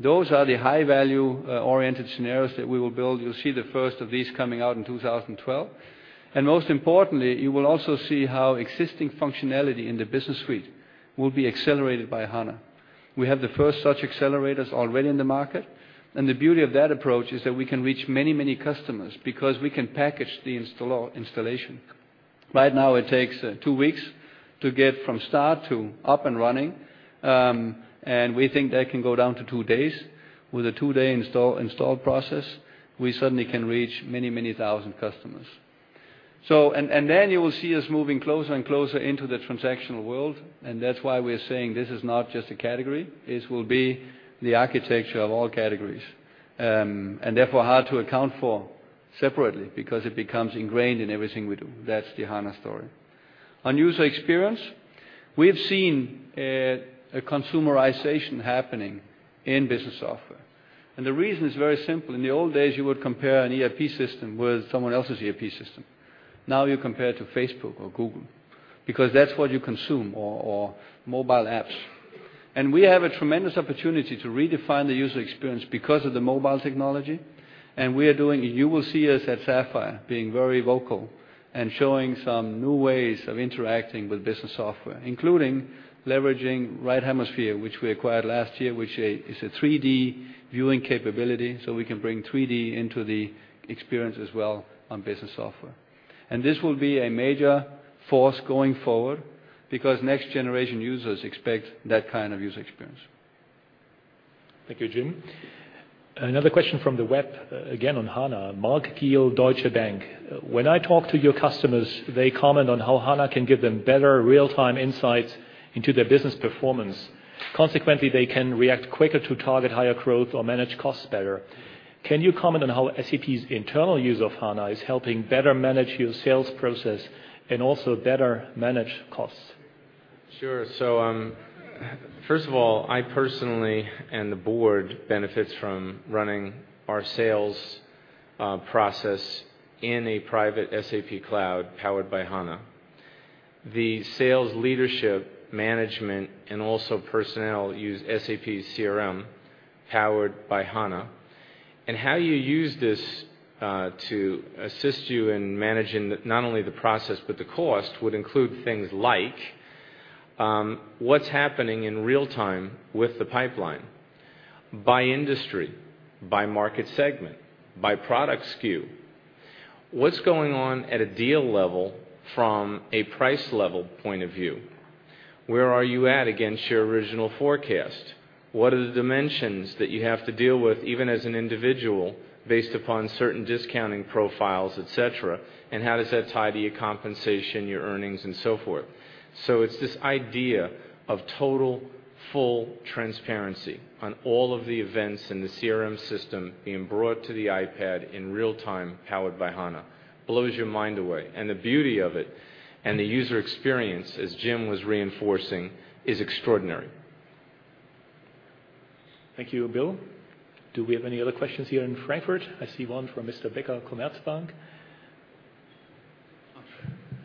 Those are the high-value-oriented scenarios that we will build. You'll see the first of these coming out in 2012. Most importantly, you will also see how existing functionality in the business suite will be accelerated by HANA. We have the first such accelerators already in the market. The beauty of that approach is that we can reach many, many customers because we can package the installation. Right now, it takes two weeks to get from start to up and running. We think that can go down to two days. With a two-day install process, we certainly can reach many, many thousand customers. You will see us moving closer and closer into the transactional world. That is why we're saying this is not just a category. This will be the architecture of all categories and therefore hard to account for separately because it becomes ingrained in everything we do. That is the HANA story. On user experience, we have seen a consumerization happening in business software. The reason is very simple. In the old days, you would compare an ERP system with someone else's ERP system. Now you compare to Facebook or Google because that's what you consume or mobile apps. We have a tremendous opportunity to redefine the user experience because of the mobile technology, and we are doing it. You will see us at Sapphire being very vocal and showing some new ways of interacting with business software, including leveraging Right Hemisphere, which we acquired last year, which is a 3D viewing capability. We can bring 3D into the experience as well on business software. This will be a major force going forward because next-generation users expect that kind of user experience. Thank you, Jim. Another question from the web, again on HANA. [Mark Kiel], Deutsche Bank. When I talk to your customers, they comment on how HANA can give them better real-time insights into their business performance. Consequently, they can react quicker to target higher growth or manage costs better. Can you comment on how SAP's internal use of HANA is helping better manage your sales process and also better manage costs? Sure. First of all, I personally and the Board benefit from running our sales process in a private SAP cloud powered by HANA. The sales leadership, management, and also personnel use SAP CRM powered by HANA. How you use this to assist you in managing not only the process but the cost would include things like what's happening in real time with the pipeline by industry, by market segment, by product SKU. What's going on at a deal level from a price level point of view? Where are you at against your original forecast? What are the dimensions that you have to deal with even as an individual based upon certain discounting profiles, etc.? How does that tie to your compensation, your earnings, and so forth? It's this idea of total full transparency on all of the events in the CRM system being brought to the iPad in real time powered by HANA. It blows your mind away. The beauty of it and the user experience, as Jim was reinforcing, is extraordinary. Thank you, Bill. Do we have any other questions here in Frankfurt? I see one from Mr. Becker from Commerzbank.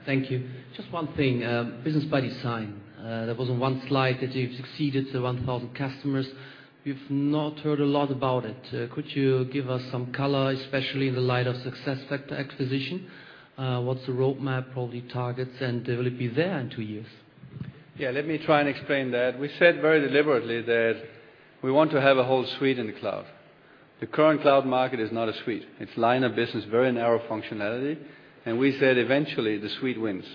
Thank you. Just one thing, Business ByDesign. There was one slide that you've succeeded to 1,000 customers. We've not heard a lot about it. Could you give us some color, especially in the light of the SuccessFactors acquisition? What's the roadmap, probably targets, and will it be there in two years? Yeah, let me try and explain that. We said very deliberately that we want to have a whole suite in the cloud. The current cloud market is not a suite. It's a line of business, very narrow functionality. We said eventually the suite wins.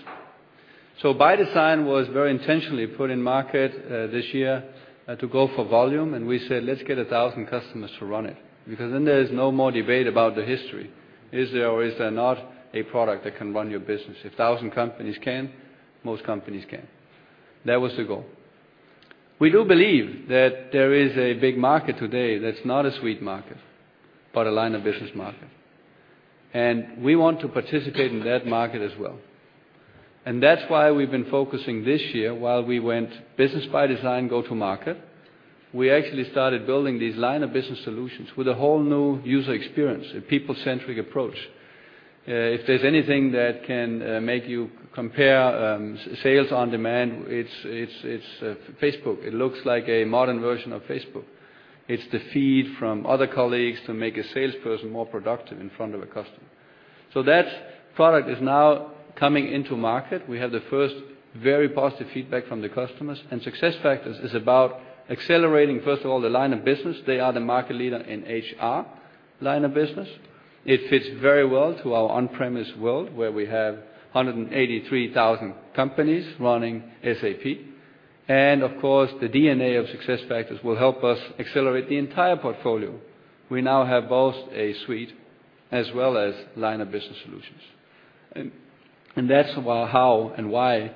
ByDesign, it was very intentionally put in market this year to go for volume. We said, let's get 1,000 customers to run it because then there is no more debate about the history. Is there or is there not a product that can run your business? If 1,000 companies can, most companies can. That was the goal. We do believe that there is a big market today that's not a suite market but a line of business market. We want to participate in that market as well. That's why we've been focusing this year while we went Business ByDesign, go to market. We actually started building these line of business solutions with a whole new user experience, a people-centric approach. If there's anything that can make you compare sales on demand, it's Facebook. It looks like a modern version of Facebook. It's the feed from other colleagues to make a salesperson more productive in front of a customer. That product is now coming into market. We have the first very positive feedback from the customers. SuccessFactors is about accelerating, first of all, the line of business. They are the market leader in HR line of business. It fits very well to our on-premise world where we have 183,000 companies running SAP. Of course, the DNA of SuccessFactors will help us accelerate the entire portfolio. We now have both a suite as well as line of business solutions. That's how and why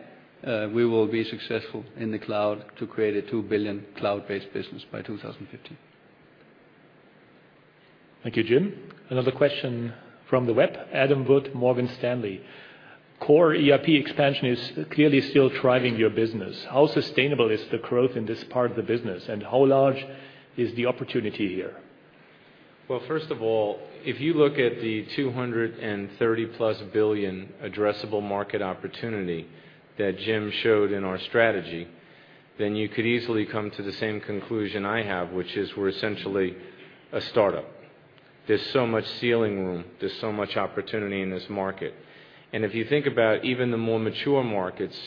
we will be successful in the cloud to create a $2 billion cloud-based business by 2015. Thank you, Jim. Another question from the web, Adam Wood, Morgan Stanley. Core ERP expansion is clearly still driving your business. How sustainable is the growth in this part of the business? How large is the opportunity here? If you look at the +230 billion addressable market opportunity that Jim showed in our strategy, then you could easily come to the same conclusion I have, which is we're essentially a startup. There's so much ceiling room. There's so much opportunity in this market. If you think about even the more mature markets,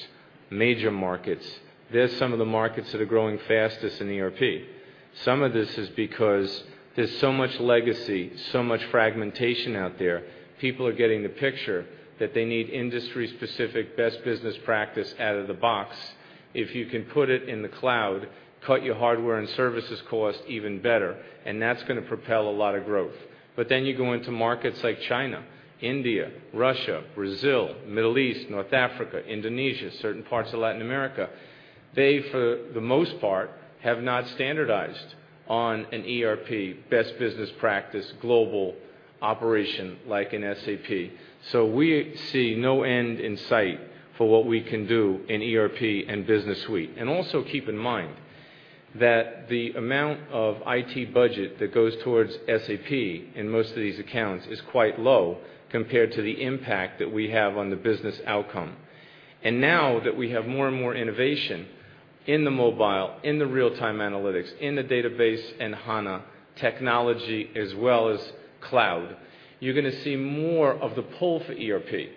major markets, there are some of the markets that are growing fastest in ERP. Some of this is because there's so much legacy, so much fragmentation out there. People are getting the picture that they need industry-specific best business practice out of the box. If you can put it in the cloud, cut your hardware and services cost, even better. That's going to propel a lot of growth. You go into markets like China, India, Russia, Brazil, Middle East, North Africa, Indonesia, certain parts of Latin America. They, for the most part, have not standardized on an ERP, best business practice, global operation like an SAP. We see no end in sight for what we can do in ERP and business suite. Also keep in mind that the amount of IT budget that goes towards SAP in most of these accounts is quite low compared to the impact that we have on the business outcome. Now that we have more and more innovation in the mobile, in the real-time analytics, in the database and HANA technology, as well as cloud, you're going to see more of the pull for ERP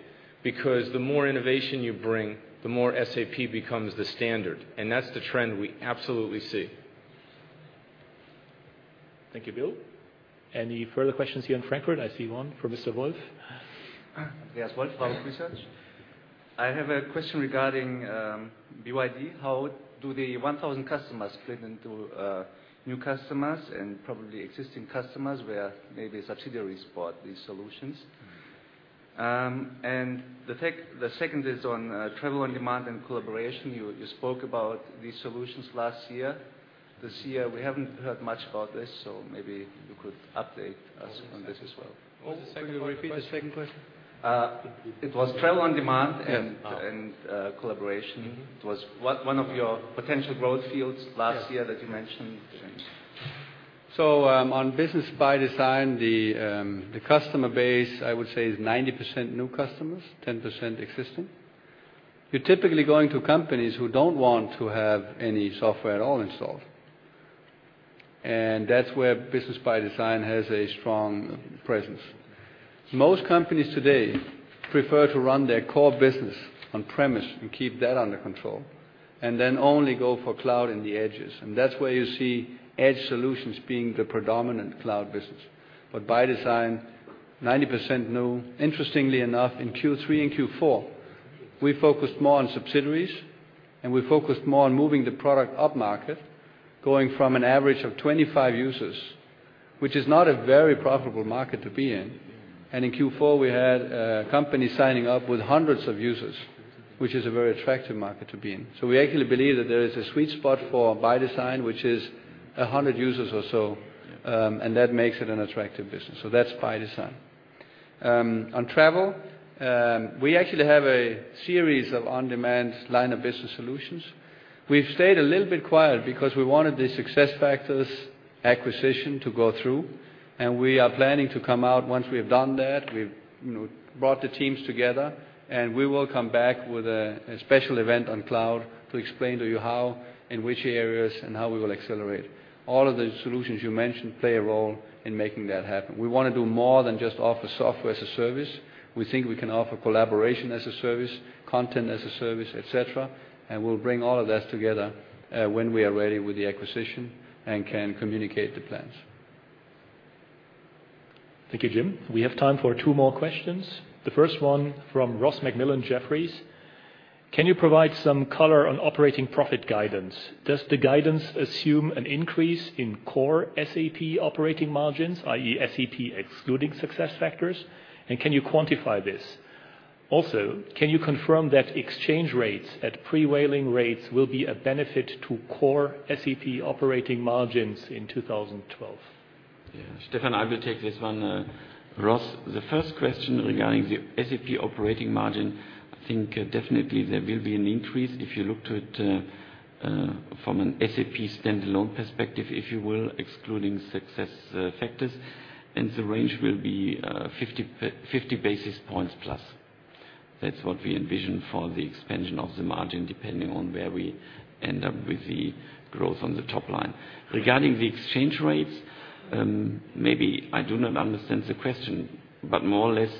because the more innovation you bring, the more SAP becomes the standard. That's the trend we absolutely see. Thank you, Bill. Any further questions here in Frankfurt? I see one from Mr. Wolf. I have a question regarding BYD. How do the 1,000 customers fit into new customers and probably existing customers where maybe a subsidiary supports these solutions? The second is on travel on demand and collaboration. You spoke about these solutions last year. This year, we haven't heard much about this. Maybe you could update us on this as well. Can you repeat the second question? It was travel on demand and collaboration. It was one of your potential growth fields last year that you mentioned. On Business ByDesign, the customer base, I would say, is 90% new customers, 10% existing. You're typically going to companies who don't want to have any software at all installed. That's where Business ByDesign has a strong presence. Most companies today prefer to run their core business on-premise and keep that under control, then only go for cloud in the edges. That's where you see edge solutions being the predominant cloud business. ByDesign is 90% new. Interestingly enough, in Q3 and Q4, we focused more on subsidiaries and focused more on moving the product up market, going from an average of 25 users, which is not a very profitable market to be in. In Q4, we had companies signing up with hundreds of users, which is a very attractive market to be in. We actually believe that there is a sweet spot for ByDesign, which is 100 users or so, and that makes it an attractive business. That's ByDesign. On travel, we actually have a series of on-demand line of business solutions. We've stayed a little bit quiet because we wanted the SuccessFactors acquisition to go through. We are planning to come out once we have done that. We brought the teams together and will come back with a special event on cloud to explain to you how, in which areas, and how we will accelerate. All of the solutions you mentioned play a role in making that happen. We want to do more than just offer software as a service. We think we can offer collaboration as a service, content as a service, etc. We'll bring all of that together when we are ready with the acquisition and can communicate the plans. Thank you, Jim. We have time for two more questions. The first one from Ross MacMillan, Jeffries. Can you provide some color on operating profit guidance? Does the guidance assume an increase in core SAP operating margins, i.e., SAP excluding SuccessFactors? Can you quantify this? Also, can you confirm that exchange rates at prevailing rates will be a benefit to core SAP operating margins in 2012? Yeah, Stefan, I will take this one. Ross, the first question regarding the SAP operating margin, I think definitely there will be an increase if you look to it from an SAP standalone perspective, if you will, excluding SuccessFactors. The range will be 50 basis points plus. That's what we envision for the expansion of the margin, depending on where we end up with the growth on the top line. Regarding the exchange rates, maybe I do not understand the question. More or less,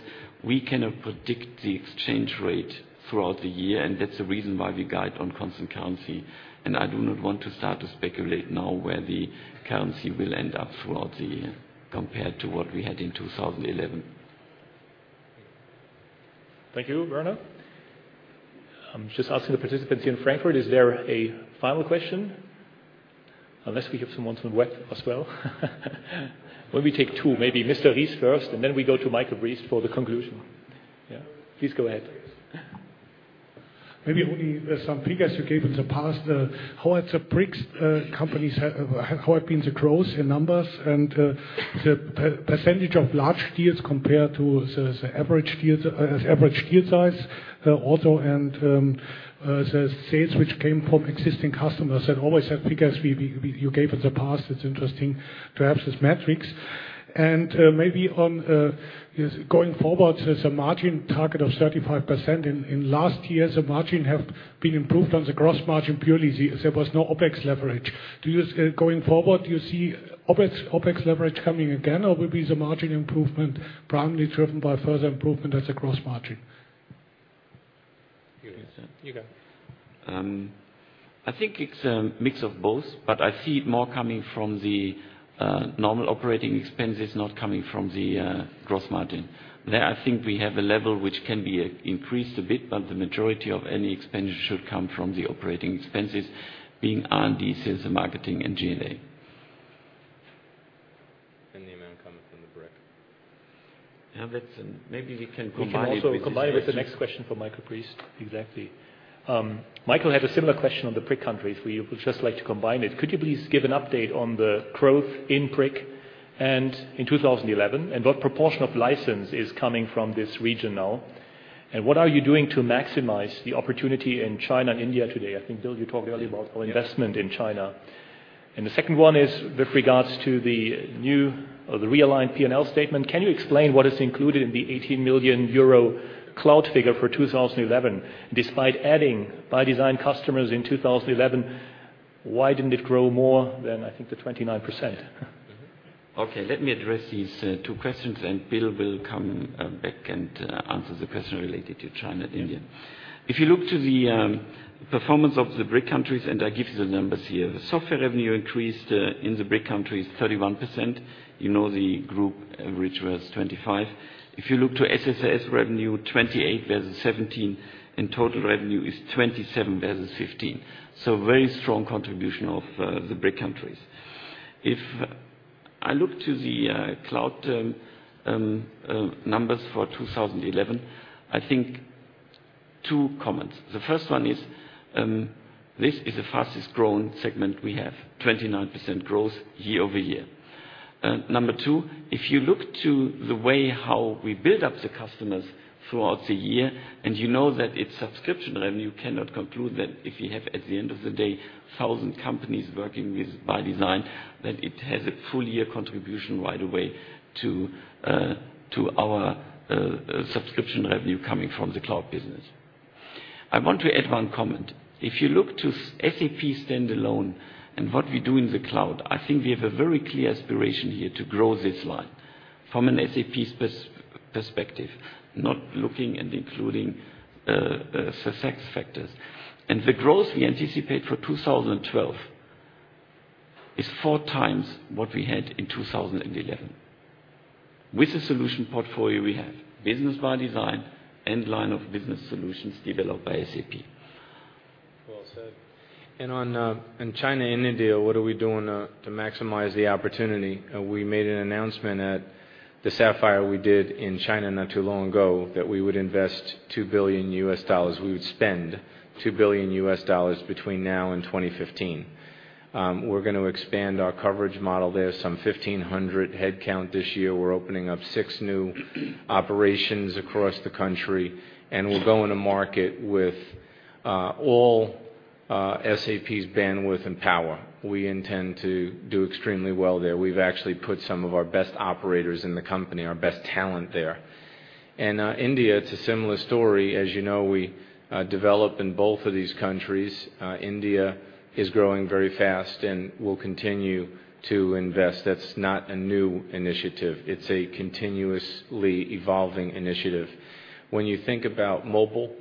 we cannot predict the exchange rate throughout the year. That's the reason why we guide on constant currency. I do not want to start to speculate now where the currency will end up throughout the year compared to what we had in 2011. Thank you, Werner. I'm just asking the participants here in Frankfurt, is there a final question? Unless we have someone from web as well. Let me take two, maybe Mr. Ries first, and then we go to Michael Briest for the conclusion. Yeah, please go ahead. Maybe only some figures you gave us about how it's a BRICS company, how it's been to grow in numbers and the percentage of large deals compared to the average deal size also and the sales which came from existing customers. You always have figures you gave us in the past. It's interesting, perhaps as metrics. Maybe on going forward, there's a margin target of 35%. In the last year, the margin has been improved on the gross margin purely. There was no OpEx leverage. Going forward, do you see OpEx leverage coming again? Or will the margin improvement be broadly driven by further improvement as a gross margin? I think it's a mix of both. I see it more coming from the normal operating expenses, not coming from the gross margin. There, I think we have a level which can be increased a bit. The majority of any expenses should come from the operating expenses being on the sales and marketing and G&A. The amount coming from the BRIC. Yeah, maybe we can combine it. Also, combine it with the next question for Michael Briest. Exactly. Michael had a similar question on the BRIC countries. We would just like to combine it. Could you please give an update on the growth in BRIC and in 2011? What proportion of license is coming from this region now? What are you doing to maximize the opportunity in China and India today? I think, Bill, you talked earlier about our investment in China. The second one is with regards to the new or the realigned P&L statement. Can you explain what is included in the 18 million euro cloud figure for 2011? Despite adding ByDesign customers in 2011, why didn't it grow more than, I think, the 29%? OK, let me address these two questions. Bill will come back and answer the question related to China and India. If you look to the performance of the BRIC countries, and I give you the numbers here, software revenue increased in the BRIC countries 31%. You know the group average was 25%. If you look to SSRS revenue, 28% versus 17%. Total revenue is 27% versus 15%. Very strong contribution of the BRIC countries. If I look to the cloud numbers for 2011, I think two comments. The first one is this is the fastest growing segment we have, 29% growth year-over-year. Number two, if you look to the way how we build up the customers throughout the year, and you know that it's subscription revenue, you cannot conclude that if we have, at the end of the day, 1,000 companies working with ByDesign, then it has a full year contribution right away to our subscription revenue coming from the cloud business. I want to add one comment. If you look to SAP standalone and what we do in the cloud, I think we have a very clear aspiration here to grow this line from an SAP perspective, not looking and including the SuccessFactors. The growth we anticipate for 2012 is 4x what we had in 2011 with the solution portfolio we have, Business ByDesign and line of business solutions developed by SAP. On China and India, what are we doing to maximize the opportunity? We made an announcement at the Sapphire we did in China not too long ago that we would invest $2 billion. We would spend $2 billion between now and 2015. We're going to expand our coverage model there, some 1,500 headcount this year. We're opening up six new operations across the country. We'll go in a market with all SAP's bandwidth and power. We intend to do extremely well there. We've actually put some of our best operators in the company, our best talent there. In India, it's a similar story. As you know, we develop in both of these countries. India is growing very fast and will continue to invest. That's not a new initiative. It's a continuously evolving initiative. When you think about mobile,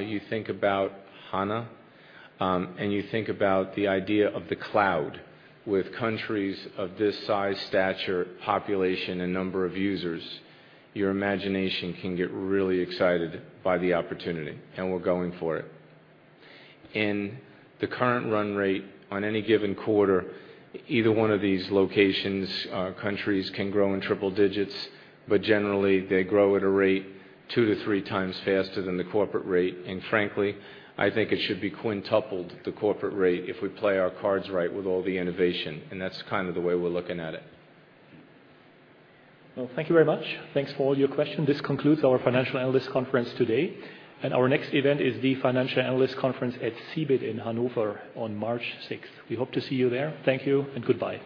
you think about HANA, and you think about the idea of the cloud with countries of this size, stature, population, and number of users, your imagination can get really excited by the opportunity. We're going for it. In the current run rate on any given quarter, either one of these locations or countries can grow in triple digits. Generally, they grow at a rate two to three times faster than the corporate rate. Frankly, I think it should be quintupled the corporate rate if we play our cards right with all the innovation. That's kind of the way we're looking at it. Thank you very much. Thanks for all your questions. This concludes our Financial Analyst Conference today. Our next event is the Financial Analyst Conference at CeBIT in Hannover on March 6th. We hope to see you there. Thank you and goodbye.